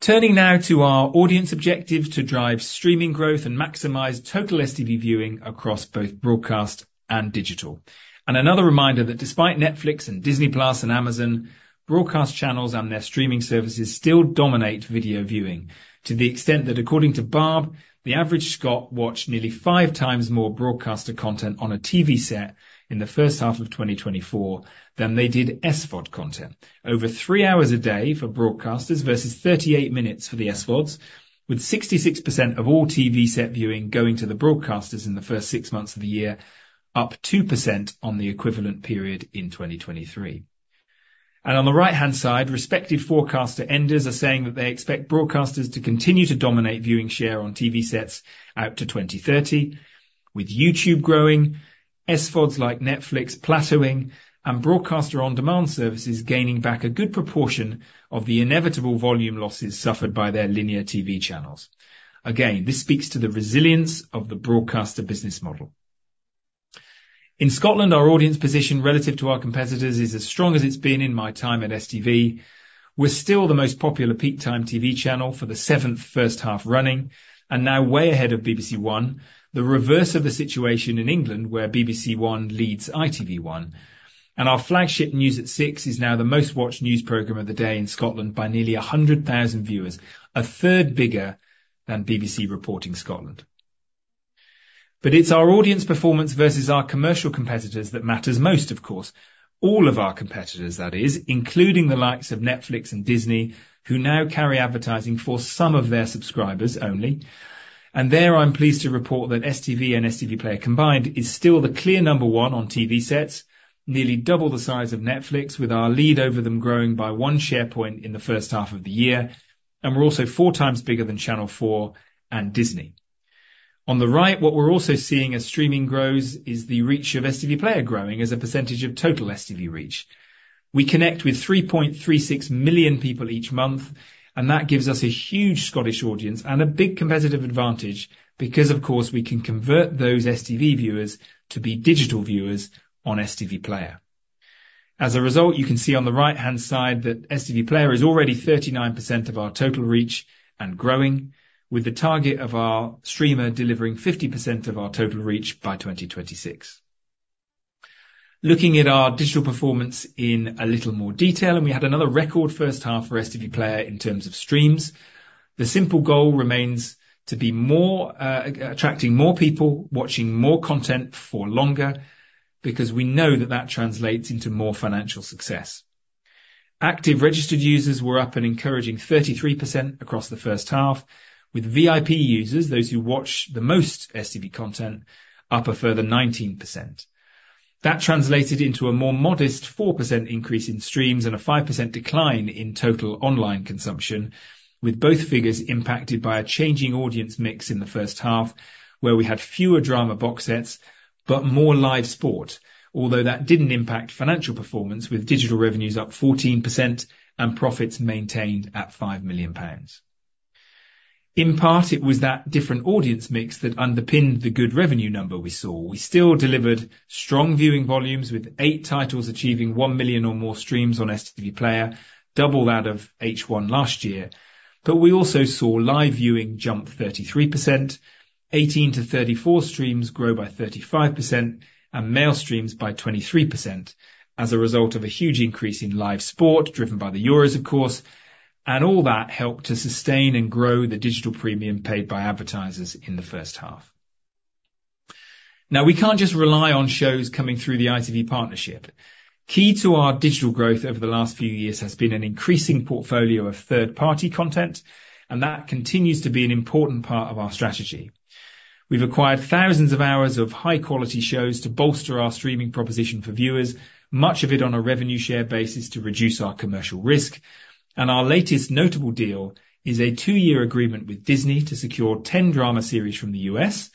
Turning now to our audience objective to drive streaming growth and maximize total STV viewing across both broadcast and digital. Another reminder that despite Netflix and Disney Plus and Amazon, broadcast channels and their streaming services still dominate video viewing to the extent that, according to Barb, the average Scot watched nearly five times more broadcaster content on a TV set in the first half of 2024 than they did SVOD content. Over three hours a day for broadcasters versus 38 minutes for the SVODs, with 66% of all TV set viewing going to the broadcasters in the first 6 months of the year, up 2% on the equivalent period in 2023. And on the right-hand side, respective forecaster Enders are saying that they expect broadcasters to continue to dominate viewing share on TV sets out to 2030, with YouTube growing, SVODs like Netflix plateauing, and broadcaster on-demand services gaining back a good proportion of the inevitable volume losses suffered by their linear TV channels. Again, this speaks to the resilience of the broadcaster business model. In Scotland, our audience position relative to our competitors is as strong as it's been in my time at STV. We're still the most popular peak time TV channel for the seventh first half running, and now way ahead of BBC One, the reverse of the situation in England, where BBC One leads ITV One. Our flagship News at Six is now the most watched news program of the day in Scotland by nearly 100,000 viewers, a third bigger than BBC Reporting Scotland. But it's our audience performance versus our commercial competitors that matters most, of course. All of our competitors, that is, including the likes of Netflix and Disney, who now carry advertising for some of their subscribers only. And there, I'm pleased to report that STV and STV Player combined is still the clear number one on TV sets, nearly double the size of Netflix, with our lead over them growing by one share point in the first half of the year, and we're also four times bigger than Channel 4 and Disney. On the right, what we're also seeing as streaming grows is the reach of STV Player growing as a percentage of total STV reach. We connect with 3.36 million people each month, and that gives us a huge Scottish audience and a big competitive advantage because, of course, we can convert those STV viewers to be digital viewers on STV Player. As a result, you can see on the right-hand side that STV Player is already 39% of our total reach and growing, with the target of our streamer delivering 50% of our total reach by 2026. Looking at our digital performance in a little more detail, and we had another record first half for STV Player in terms of streams. The simple goal remains to be more attracting more people, watching more content for longer, because we know that that translates into more financial success. Active registered users were up an encouraging 33% across the first half, with VIP users, those who watch the most STV content, up a further 19%. That translated into a more modest 4% increase in streams and a 5% decline in total online consumption, with both figures impacted by a changing audience mix in the first half, where we had fewer drama box sets, but more live sport, although that didn't impact financial performance, with digital revenues up 14% and profits maintained at 5 million pounds. In part, it was that different audience mix that underpinned the good revenue number we saw. We still delivered strong viewing volumes, with 8 titles achieving 1 million or more streams on STV Player, double that of H1 last year. But we also saw live viewing jump 33%, 18-34 streams grow by 35%, and male streams by 23% as a result of a huge increase in live sport, driven by the Euros, of course, and all that helped to sustain and grow the digital premium paid by advertisers in the first half. Now, we can't just rely on shows coming through the ITV partnership. Key to our digital growth over the last few years has been an increasing portfolio of third-party content, and that continues to be an important part of our strategy. We've acquired thousands of hours of high-quality shows to bolster our streaming proposition for viewers, much of it on a revenue share basis to reduce our commercial risk. And our latest notable deal is a two-year agreement with Disney to secure 10 drama series from the U.S.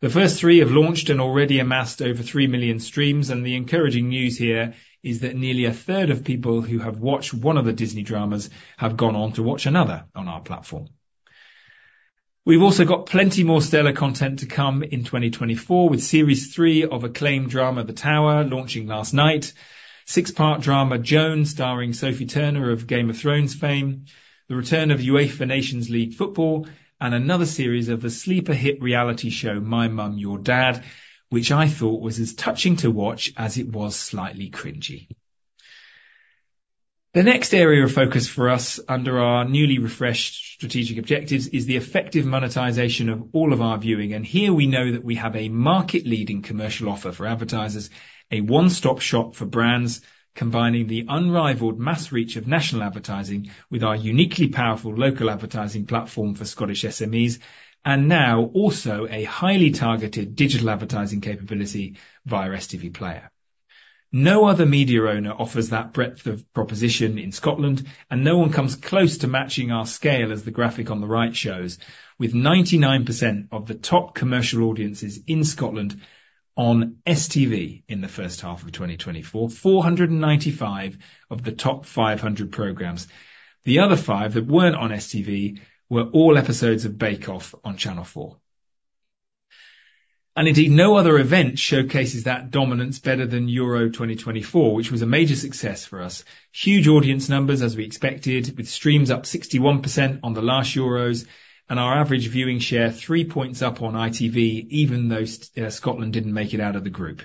The first three have launched and already amassed over three million streams, and the encouraging news here is that nearly a third of people who have watched one of the Disney dramas have gone on to watch another on our platform. We've also got plenty more stellar content to come in 2024 with Series Three of acclaimed drama, The Tower, launching last night, six-part drama, Joan, starring Sophie Turner of Game of Thrones fame, the return of UEFA Nations League football, and another series of the sleeper hit reality show, My Mum, Your Dad, which I thought was as touching to watch as it was slightly cringey. The next area of focus for us under our newly refreshed strategic objectives is the effective monetization of all of our viewing, and here we know that we have a market-leading commercial offer for advertisers, a one-stop shop for brands, combining the unrivaled mass reach of national advertising with our uniquely powerful local advertising platform for Scottish SMEs, and now also a highly targeted digital advertising capability via STV Player. No other media owner offers that breadth of proposition in Scotland, and no one comes close to matching our scale as the graphic on the right shows, with 99% of the top commercial audiences in Scotland on STV in the first half of 2024. 495 of the top 500 programs. The other five that weren't on STV were all episodes of Bake Off on Channel 4. And indeed, no other event showcases that dominance better than Euro 2024, which was a major success for us. Huge audience numbers, as we expected, with streams up 61% on the last Euros, and our average viewing share three points up on ITV, even though Scotland didn't make it out of the group.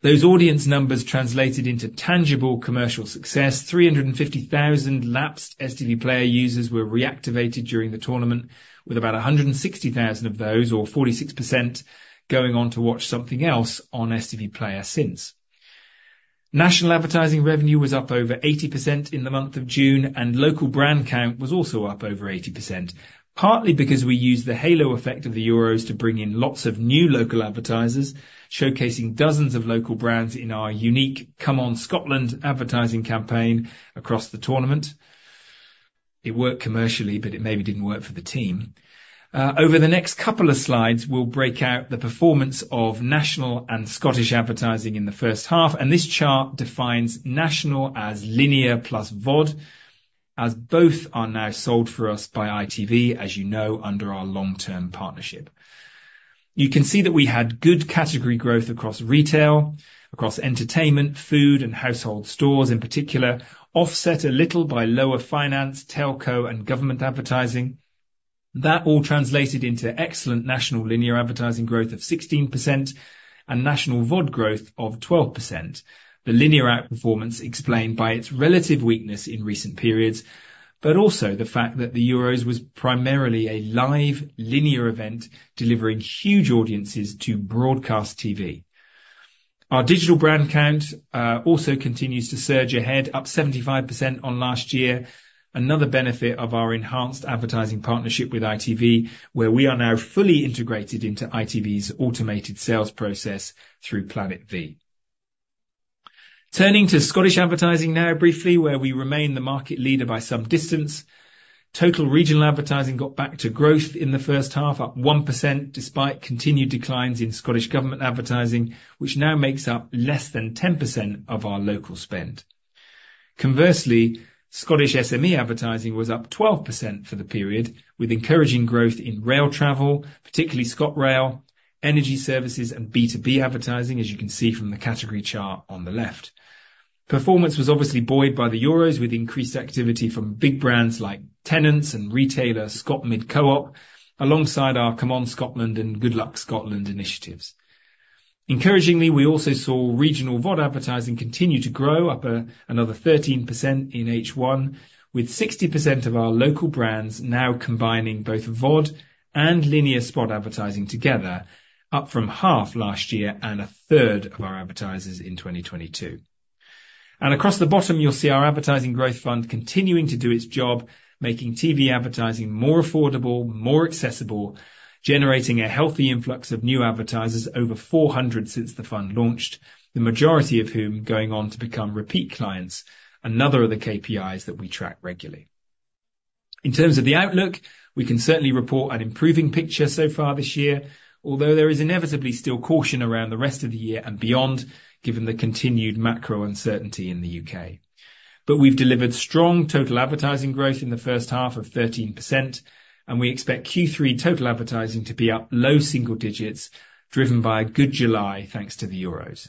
Those audience numbers translated into tangible commercial success. 350,000 lapsed STV Player users were reactivated during the tournament, with about 160,000 of those, or 46%, going on to watch something else on STV Player since. National advertising revenue was up over 80% in the month of June, and local brand count was also up over 80%, partly because we used the halo effect of the Euros to bring in lots of new local advertisers, showcasing dozens of local brands in our unique Come On Scotland advertising campaign across the tournament. It worked commercially, but it maybe didn't work for the team. Over the next couple of slides, we'll break out the performance of national and Scottish advertising in the first half, and this chart defines national as linear plus VOD, as both are now sold for us by ITV, as you know, under our long-term partnership. You can see that we had good category growth across retail, across entertainment, food, and household stores, in particular, offset a little by lower finance, telco, and government advertising. That all translated into excellent national linear advertising growth of 16% and national VOD growth of 12%. The linear outperformance explained by its relative weakness in recent periods, but also the fact that the Euros was primarily a live linear event, delivering huge audiences to broadcast TV. Our digital brand count also continues to surge ahead, up 75% on last year, another benefit of our enhanced advertising partnership with ITV, where we are now fully integrated into ITV's automated sales process through Planet V. Turning to Scottish advertising now briefly, where we remain the market leader by some distance. Total regional advertising got back to growth in the first half, up 1%, despite continued declines in Scottish Government advertising, which now makes up less than 10% of our local spend. Conversely, Scottish SME advertising was up 12% for the period, with encouraging growth in rail travel, particularly ScotRail, energy services, and B2B advertising, as you can see from the category chart on the left. Performance was obviously buoyed by the Euros, with increased activity from big brands like Tennent's and retailer Scotmid Co-op, alongside our Come On Scotland and Good Luck Scotland initiatives. Encouragingly, we also saw regional VOD advertising continue to grow, up another 13% in H1, with 60% of our local brands now combining both VOD and linear spot advertising together, up from half last year and a third of our advertisers in 2022. Across the bottom, you'll see our advertising growth fund continuing to do its job, making TV advertising more affordable, more accessible, generating a healthy influx of new advertisers, over 400 since the fund launched, the majority of whom going on to become repeat clients, another of the KPIs that we track regularly. In terms of the outlook, we can certainly report an improving picture so far this year, although there is inevitably still caution around the rest of the year and beyond, given the continued macro uncertainty in the U.K. But we've delivered strong total advertising growth in the first half of 13%, and we expect Q3 total advertising to be up low single digits, driven by a good July, thanks to the Euros.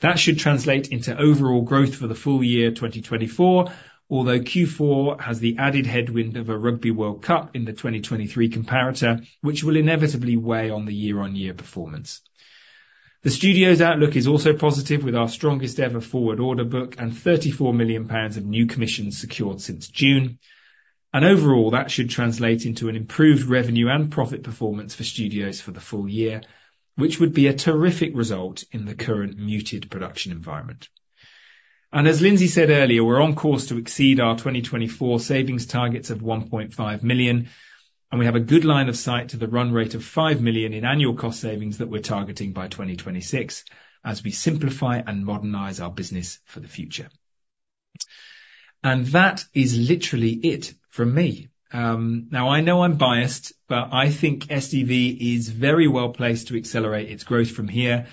That should translate into overall growth for the full year 2024, although Q4 has the added headwind of a Rugby World Cup in the 2023 comparator, which will inevitably weigh on the year-on-year performance. The Studios outlook is also positive, with our strongest ever forward order book and 34 million pounds of new commissions secured since June. And overall, that should translate into an improved revenue and profit performance for Studios for the full year, which would be a terrific result in the current muted production environment. And as Lindsay said earlier, we're on course to exceed our 2024 savings targets of 1.5 million, and we have a good line of sight to the run rate of 5 million in annual cost savings that we're targeting by 2026, as we simplify and modernize our business for the future. That is literally it from me. Now, I know I'm biased, but I think STV is very well placed to accelerate its growth from here.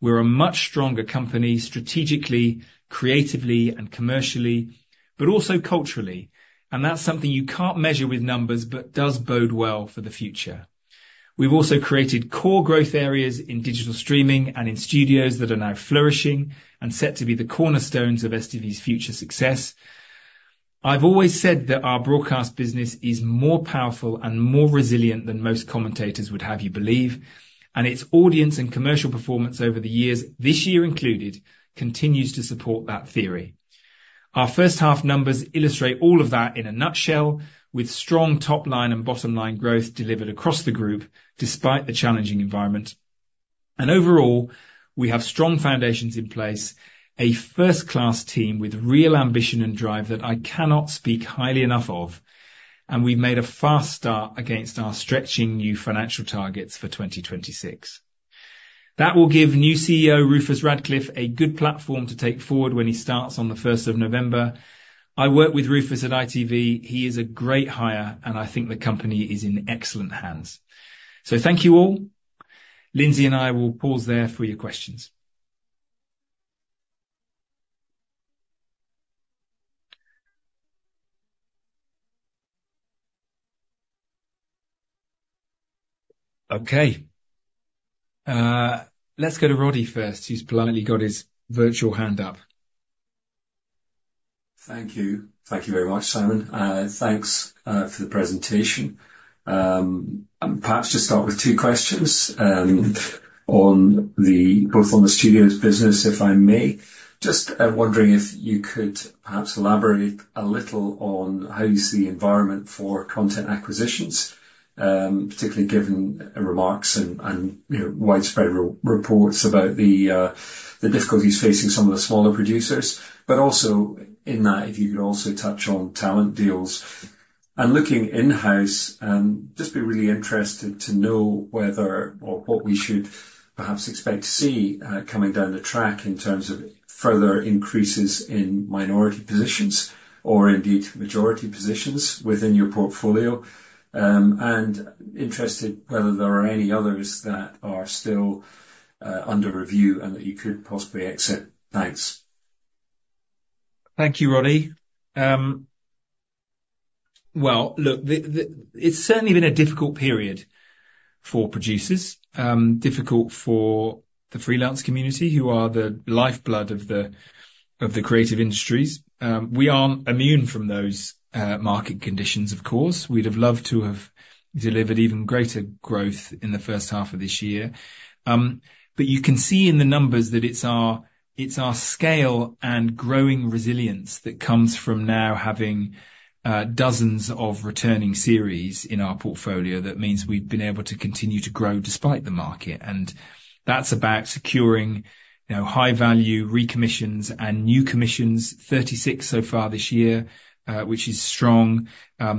We're a much stronger company, strategically, creatively, and commercially, but also culturally. That's something you can't measure with numbers, but does bode well for the future. We've also created core growth areas in digital streaming and in Studios that are now flourishing and set to be the cornerstones of STV's future success. I've always said that our broadcast business is more powerful and more resilient than most commentators would have you believe, and its audience and commercial performance over the years, this year included, continues to support that theory. Our first half numbers illustrate all of that in a nutshell, with strong top line and bottom line growth delivered across the group despite the challenging environment. Overall, we have strong foundations in place, a first-class team with real ambition and drive that I cannot speak highly enough of, and we've made a fast start against our stretching new financial targets for 2026. That will give new CEO, Rufus Radcliffe, a good platform to take forward when he starts on the first of November. I worked with Rufus at ITV. He is a great hire, and I think the company is in excellent hands. Thank you all. Lindsay and I will pause there for your questions. Okay, let's go to Roddy first. He's politely got his virtual hand up. Thank you. Thank you very much, Simon. Thanks for the presentation. Perhaps just start with two questions, both on the Studios business, if I may. Just wondering if you could perhaps elaborate a little on how you see the environment for content acquisitions, particularly given remarks and, you know, widespread reports about the difficulties facing some of the smaller producers, but also in that, if you could also touch on talent deals, and looking in-house, just be really interested to know whether or what we should perhaps expect to see, coming down the track in terms of further increases in minority positions or indeed, majority positions within your portfolio, and interested whether there are any others that are still under review and that you could possibly exit. Thanks. Thank you, Roddy. Well, look, it's certainly been a difficult period for producers, difficult for the freelance community, who are the lifeblood of the creative industries. We aren't immune from those market conditions, of course. We'd have loved to have delivered even greater growth in the first half of this year. But you can see in the numbers that it's our scale and growing resilience that comes from now having dozens of returning series in our portfolio that means we've been able to continue to grow despite the market. That's about securing, you know, high-value recommissions and new commissions, 36 so far this year, which is strong.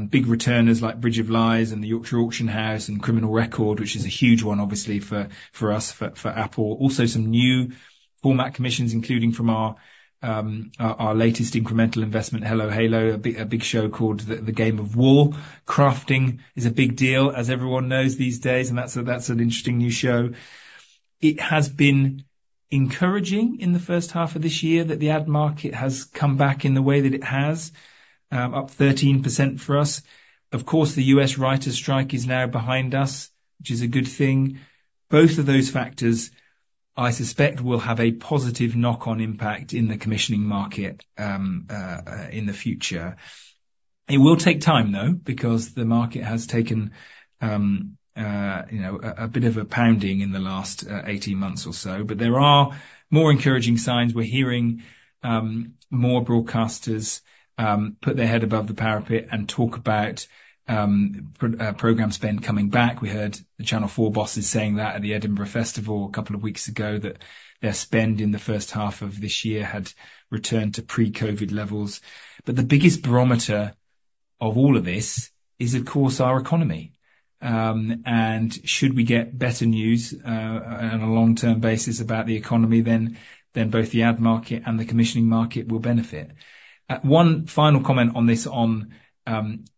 Big returners like Bridge of Lies and the Yorkshire Auction House and Criminal Record, which is a huge one, obviously, for us, for Apple. Also, some new format commissions, including from our latest incremental investment, Hello Halo, a big show called The Game of Wool. Crafting is a big deal, as everyone knows these days, and that's an interesting new show. It has been encouraging in the first half of this year that the ad market has come back in the way that it has, up 13% for us. Of course, the U.S. writers strike is now behind us, which is a good thing. Both of those factors, I suspect, will have a positive knock-on impact in the commissioning market in the future. It will take time, though, because the market has taken you know, a bit of a pounding in the last 18 months or so, but there are more encouraging signs. We're hearing more broadcasters put their head above the parapet and talk about program spend coming back. We heard the Channel 4 bosses saying that at the Edinburgh Festival a couple of weeks ago, that their spend in the first half of this year had returned to pre-COVID levels. But the biggest barometer of all of this is, of course, our economy, and should we get better news on a long-term basis about the economy, then both the ad market and the commissioning market will benefit. One final comment on this, on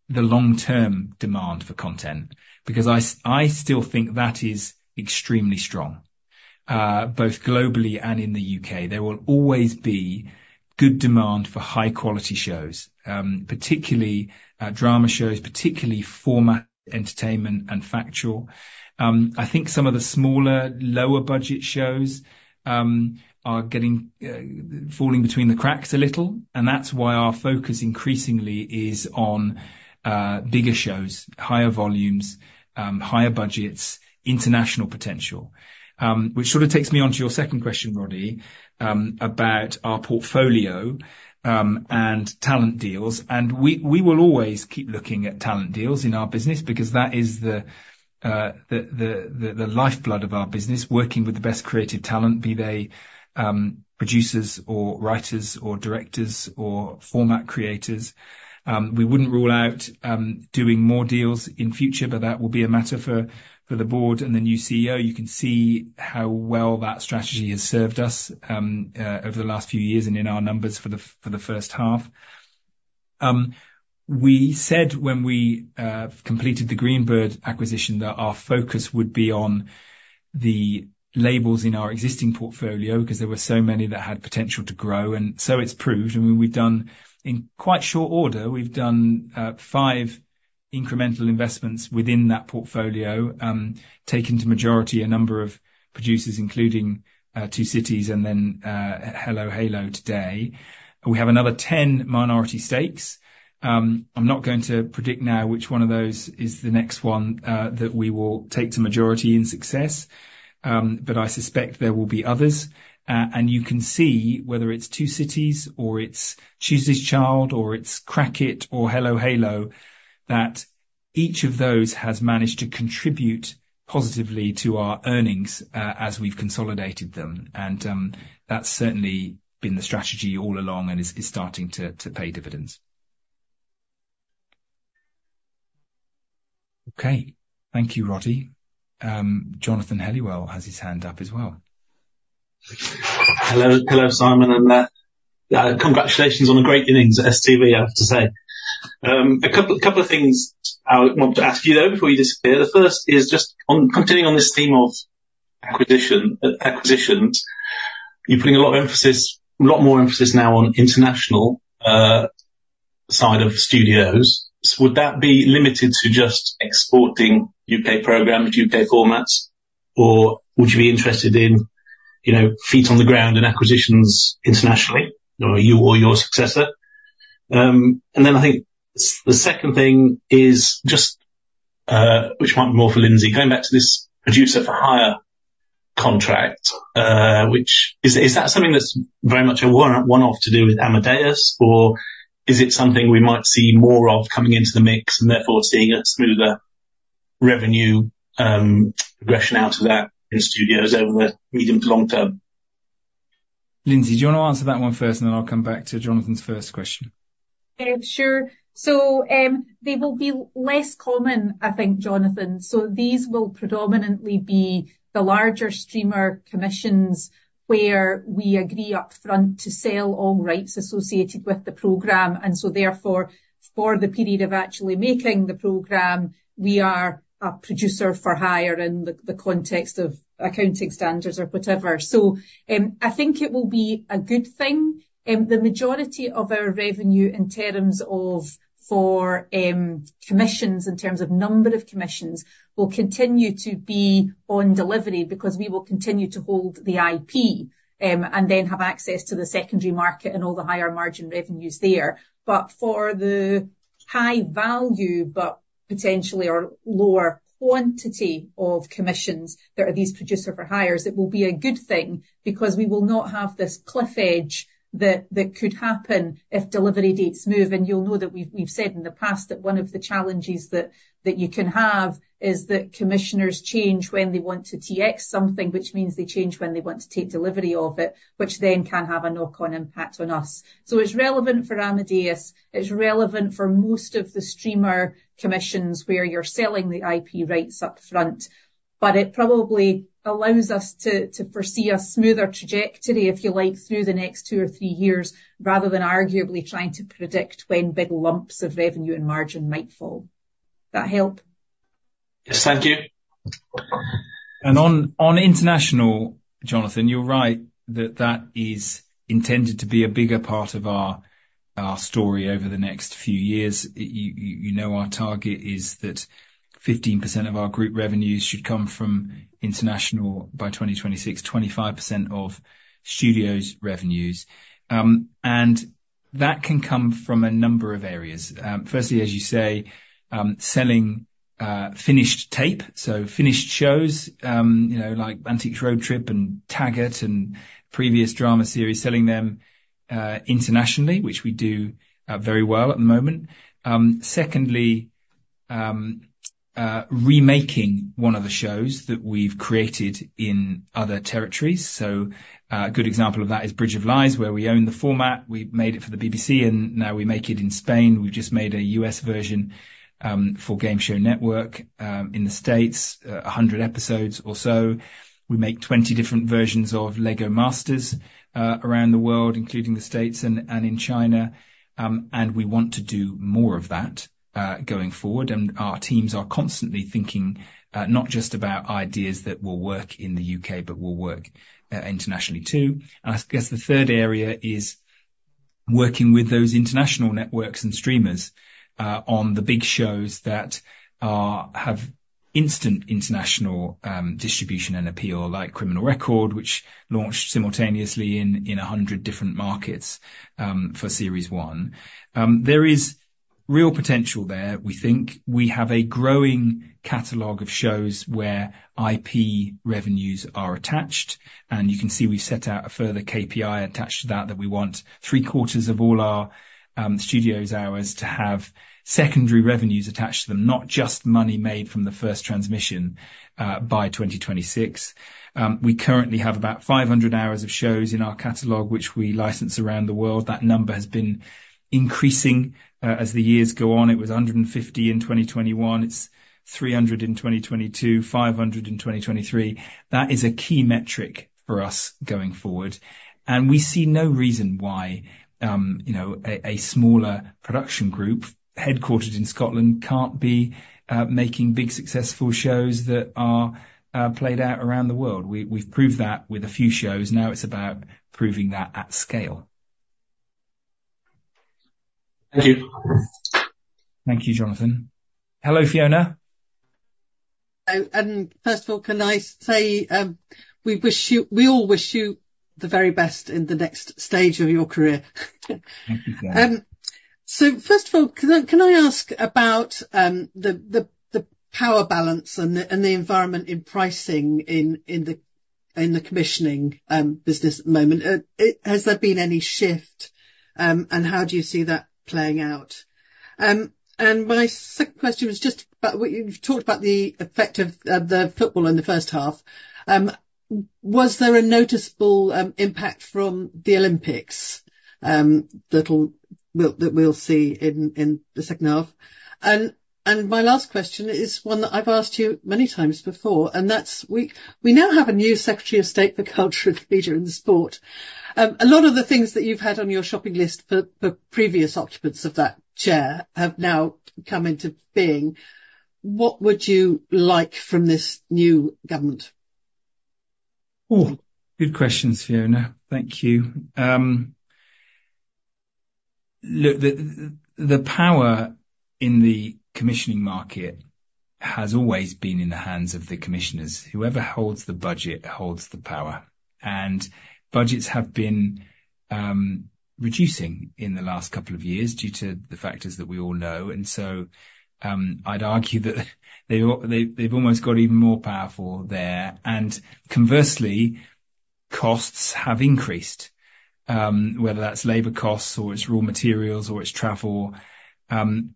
the long-term demand for content, because I still think that is extremely strong, both globally and in the U.K. There will always be good demand for high quality shows, particularly drama shows, particularly format, entertainment, and factual. I think some of the smaller, lower budget shows are falling between the cracks a little, and that's why our focus increasingly is on bigger shows, higher volumes, higher budgets, international potential. Which sort of takes me on to your second question, Roddy, about our portfolio and talent deals, and we will always keep looking at talent deals in our business because that is the lifeblood of our business, working with the best creative talent, be they producers or writers or directors or format creators. We wouldn't rule out doing more deals in future, but that will be a matter for the board and the new CEO. You can see how well that strategy has served us over the last few years and in our numbers for the first half. We said when we completed the Greenbird acquisition, that our focus would be on the labels in our existing portfolio, 'cause there were so many that had potential to grow, and so it's proved. In quite short order, we've done five incremental investments within that portfolio, taken to majority a number of producers, including Two Cities and then Hello Halo today. We have another 10 minority stakes. I'm not going to predict now which one of those is the next one that we will take to majority in succession, but I suspect there will be others. And you can see whether it's Two Cities or it's Tuesday's Child, or it's Crackit or Hello Halo, that each of those has managed to contribute positively to our earnings, as we've consolidated them, and that's certainly been the strategy all along and is starting to pay dividends. Okay. Thank you, Roddy. Jonathan Helliwell has his hand up as well. Hello. Hello, Simon, and, congratulations on a great innings at STV, I have to say. A couple of things I want to ask you, though, before you disappear. The first is just on continuing on this theme of acquisitions. You're putting a lot of emphasis, a lot more emphasis now on international side of Studios. So would that be limited to just exporting U.K. programs, U.K. formats, or would you be interested in, you know, feet on the ground and acquisitions internationally, or you or your successor? And then I think the second thing is just, which might be more for Lindsay, going back to this producer-for-hire contract, which... Is that something that's very much a one-off to do with Amadeus, or is it something we might see more of coming into the mix and therefore seeing a smoother revenue progression out of that in Studios over the medium to long term? Lindsay, do you want to answer that one first, and then I'll come back to Jonathan's first question? Sure. So, they will be less common, I think, Jonathan. So these will predominantly be the larger streamer commissions, where we agree up front to sell all rights associated with the program, and so therefore, for the period of actually making the program, we are a producer-for-hire in the context of accounting standards or whatever. So, I think it will be a good thing. The majority of our revenue in terms of commissions, in terms of number of commissions, will continue to be on delivery, because we will continue to hold the IP, and then have access to the secondary market and all the higher margin revenues there. But for the high value, but potentially lower quantity of commissions that are these producer-for-hire, it will be a good thing because we will not have this cliff edge that could happen if delivery dates move. And you'll know that we've said in the past that one of the challenges that you can have is that commissioners change when they want to TX something, which means they change when they want to take delivery of it, which then can have a knock-on impact on us. So it's relevant for Amadeus, it's relevant for most of the streamer commissions, where you're selling the IP rights up front, but it probably allows us to foresee a smoother trajectory, if you like, through the next two or three years, rather than arguably trying to predict when big lumps of revenue and margin might fall. That help?... Yes, thank you. On international, Jonathan, you're right, that is intended to be a bigger part of our story over the next few years. You know, our target is that 15% of our group revenues should come from international by 2026, 25% of Studios revenues. And that can come from a number of areas. Firstly, as you say, selling finished tape, so finished shows, you know, like Antiques Road Trip and Taggart and previous drama series, selling them internationally, which we do very well at the moment. Secondly, remaking one of the shows that we've created in other territories. So, a good example of that is Bridge of Lies, where we own the format. We made it for the BBC, and now we make it in Spain. We've just made a U.S. version for Game Show Network in the States, a hundred episodes or so. We make twenty different versions of Lego Masters around the world, including the States and in China. And we want to do more of that going forward. And our teams are constantly thinking not just about ideas that will work in the U.K., but will work internationally too. And I guess the third area is working with those international networks and streamers on the big shows that have instant international distribution and appeal, like Criminal Record, which launched simultaneously in a hundred different markets for Series One. There is real potential there. We think we have a growing catalog of shows where IP revenues are attached, and you can see we've set out a further KPI attached to that, that we want three-quarters of all our Studios hours to have secondary revenues attached to them, not just money made from the first transmission by 2026. We currently have about 500 hours of shows in our catalog, which we license around the world. That number has been increasing as the years go on. It was 150 in 2021. It's 300 in 2022, 500 in 2023. That is a key metric for us going forward, and we see no reason why you know a smaller production group headquartered in Scotland can't be making big, successful shows that are played out around the world. We've proved that with a few shows. Now it's about proving that at scale. Thank you. Thank you, Jonathan. Hello, Fiona. And first of all, can I say, we wish you, we all wish you the very best in the next stage of your career? Thank you, Fiona. So first of all, can I ask about the power balance and the environment in pricing in the commissioning business at the moment? Has there been any shift, and how do you see that playing out? And my second question was just about... You've talked about the effect of the football in the first half. Was there a noticeable impact from the Olympics, that we'll see in the second half? And my last question is one that I've asked you many times before, and that's, we now have a new Secretary of State for Culture, Media and Sport. A lot of the things that you've had on your shopping list for previous occupants of that chair have now come into being. What would you like from this new government? Oh, good questions, Fiona. Thank you. Look, the power in the commissioning market has always been in the hands of the commissioners. Whoever holds the budget holds the power, and budgets have been reducing in the last couple of years due to the factors that we all know. And so, I'd argue that they've almost got even more powerful there. And conversely, costs have increased, whether that's labor costs or it's raw materials or it's travel. And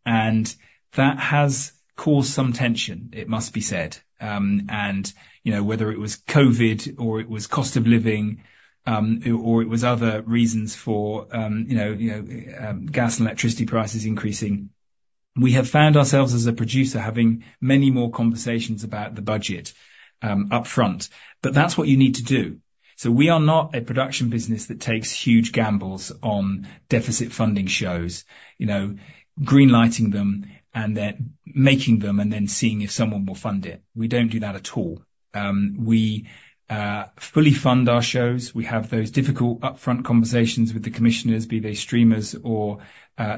that has caused some tension, it must be said. And, you know, whether it was COVID or it was cost of living, or it was other reasons for, you know, gas and electricity prices increasing, we have found ourselves, as a producer, having many more conversations about the budget up front. But that's what you need to do. We are not a production business that takes huge gambles on deficit funding shows, you know, green-lighting them and then making them and then seeing if someone will fund it. We don't do that at all. We fully fund our shows. We have those difficult upfront conversations with the commissioners, be they streamers or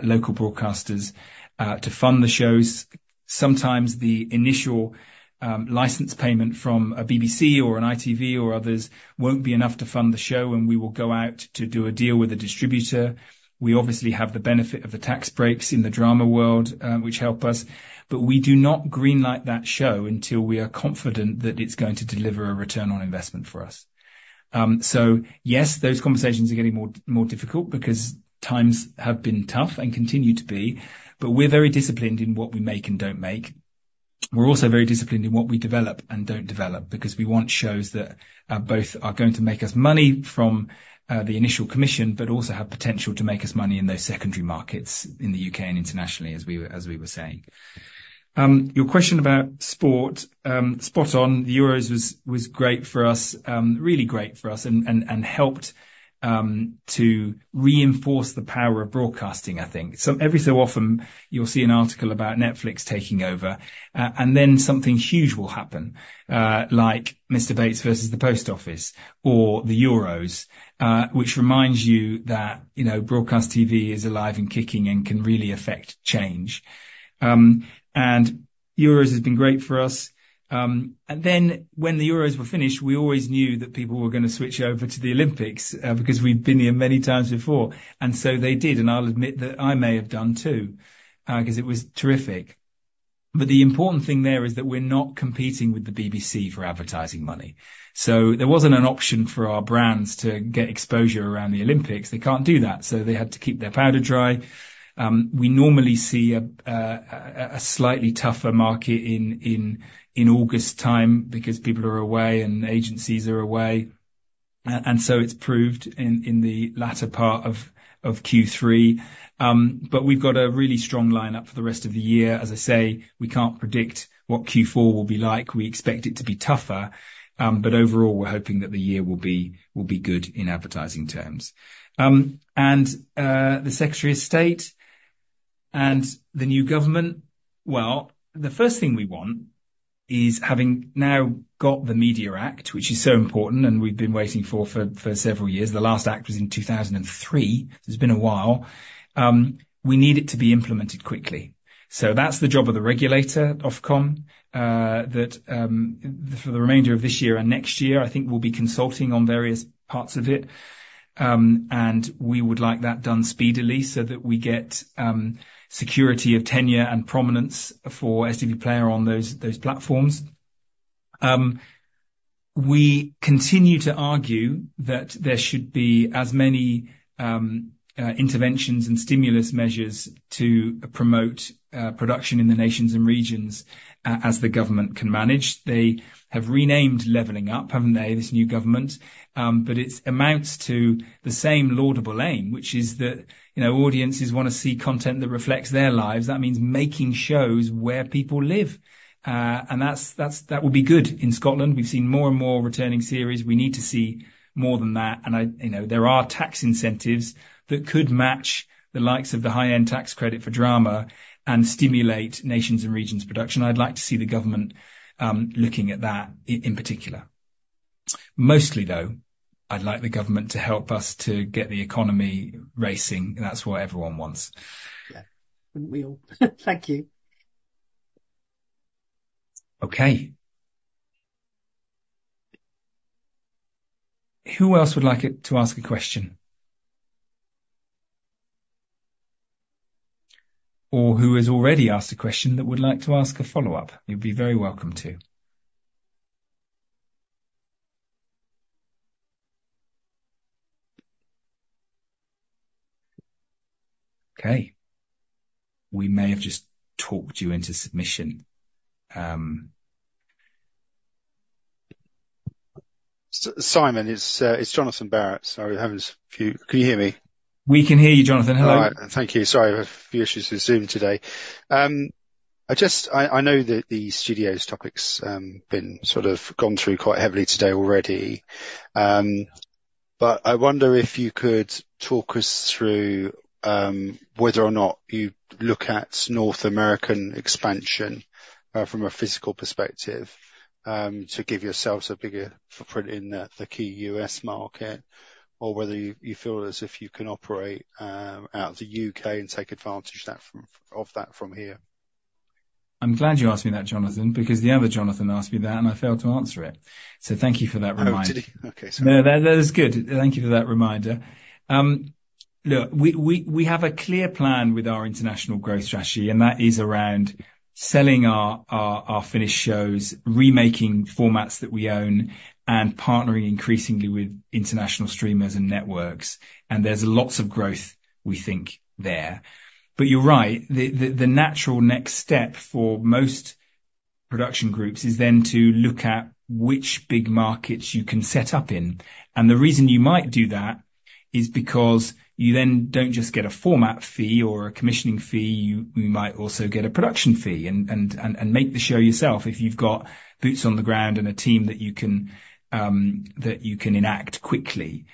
local broadcasters to fund the shows. Sometimes the initial license payment from a BBC or an ITV or others won't be enough to fund the show, and we will go out to do a deal with a distributor. We obviously have the benefit of the tax breaks in the drama world, which help us, but we do not green-light that show until we are confident that it's going to deliver a return on investment for us. So yes, those conversations are getting more difficult because times have been tough and continue to be, but we're very disciplined in what we make and don't make. We're also very disciplined in what we develop and don't develop, because we want shows that both are going to make us money from the initial commission, but also have potential to make us money in those secondary markets in the U.K. and internationally, as we were saying. Your question about sport, spot on. The Euros was great for us, really great for us and helped to reinforce the power of broadcasting, I think. So every so often, you'll see an article about Netflix taking over, and then something huge will happen, like Mr Bates vs The Post Office or the Euros, which reminds you that, you know, broadcast TV is alive and kicking and can really affect change. Euros has been great for us, and then when the Euros were finished, we always knew that people were gonna switch over to the Olympics, because we've been here many times before, and so they did, and I'll admit that I may have done, too, because it was terrific, but the important thing there is that we're not competing with the BBC for advertising money. So there wasn't an option for our brands to get exposure around the Olympics. They can't do that, so they had to keep their powder dry. We normally see a slightly tougher market in August time because people are away and agencies are away, and so it's proved in the latter part of Q3. But we've got a really strong lineup for the rest of the year. As I say, we can't predict what Q4 will be like. We expect it to be tougher, but overall, we're hoping that the year will be good in advertising terms. The Secretary of State and the new government, well, the first thing we want is, having now got the Media Act, which is so important, and we've been waiting for several years. The last act was in 2003. It's been a while. We need it to be implemented quickly. So that's the job of the regulator Ofcom that for the remainder of this year and next year, I think we'll be consulting on various parts of it, and we would like that done speedily so that we get security of tenure and prominence for STV Player on those platforms. We continue to argue that there should be as many interventions and stimulus measures to promote production in the nations and regions as the government can manage. They have renamed Levelling Up, haven't they, this new government? But it amounts to the same laudable aim, which is that, you know, audiences wanna see content that reflects their lives. That means making shows where people live, and that will be good. In Scotland, we've seen more and more returning series. We need to see more than that, and I... You know, there are tax incentives that could match the likes of the high-end tax credit for drama and stimulate nations and regions production. I'd like to see the government looking at that in particular. Mostly, though, I'd like the government to help us to get the economy racing. That's what everyone wants. Yeah. Wouldn't we all? Thank you. Okay. Who else would like to ask a question? Or who has already asked a question that would like to ask a follow-up? You'd be very welcome to. Okay, we may have just talked you into submission. Simon, it's Jonathan Barrett. Sorry, I was mute. Can you hear me? We can hear you, Jonathan. Hello. All right. Thank you. Sorry, I have a few issues with Zoom today. I just I know that the Studios topic's been sort of gone through quite heavily today already, but I wonder if you could talk us through whether or not you look at North American expansion from a physical perspective to give yourselves a bigger footprint in the key U.S. market, or whether you feel as if you can operate out of the U.K. and take advantage of that from here. I'm glad you asked me that, Jonathan, because the other Jonathan asked me that, and I failed to answer it, so thank you for that reminder. Oh, did he? Okay. No, that is good. Thank you for that reminder. Look, we have a clear plan with our international growth strategy, and that is around selling our finished shows, remaking formats that we own, and partnering increasingly with international streamers and networks, and there's lots of growth we think there. But you're right. The natural next step for most production groups is then to look at which big markets you can set up in, and the reason you might do that is because you then don't just get a format fee or a commissioning fee, you might also get a production fee and make the show yourself if you've got boots on the ground and a team that you can enact quickly.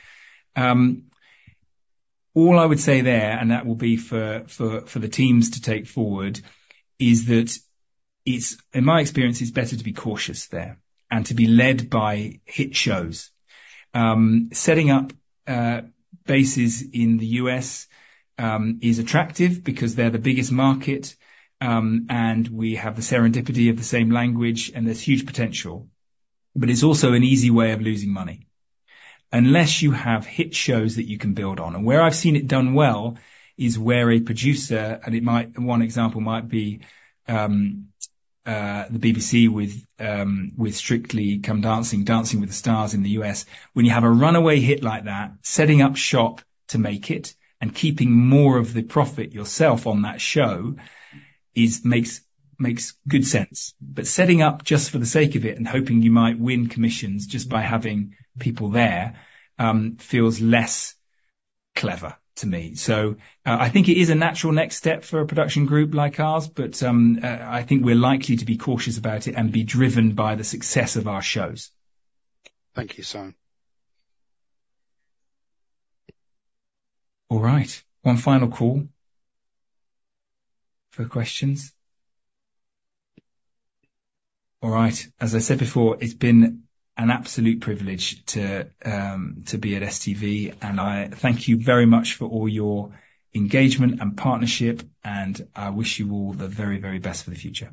All I would say there, and that will be for the teams to take forward, is that it's, in my experience, better to be cautious there and to be led by hit shows. Setting up bases in the U.S. is attractive because they're the biggest market, and we have the serendipity of the same language, and there's huge potential. But it's also an easy way of losing money unless you have hit shows that you can build on. And where I've seen it done well is where a producer. One example might be the BBC with Strictly Come Dancing, Dancing with the Stars in the US. When you have a runaway hit like that, setting up shop to make it and keeping more of the profit yourself on that show is... Makes good sense. But setting up just for the sake of it and hoping you might win commissions just by having people there, feels less clever to me. So, I think it is a natural next step for a production group like ours, but, I think we're likely to be cautious about it and be driven by the success of our shows. Thank you, Simon. All right. One final call for questions? All right. As I said before, it's been an absolute privilege to, to be at STV, and I thank you very much for all your engagement and partnership, and I wish you all the very, very best for the future.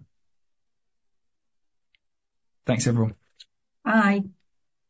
Thanks, everyone. Bye!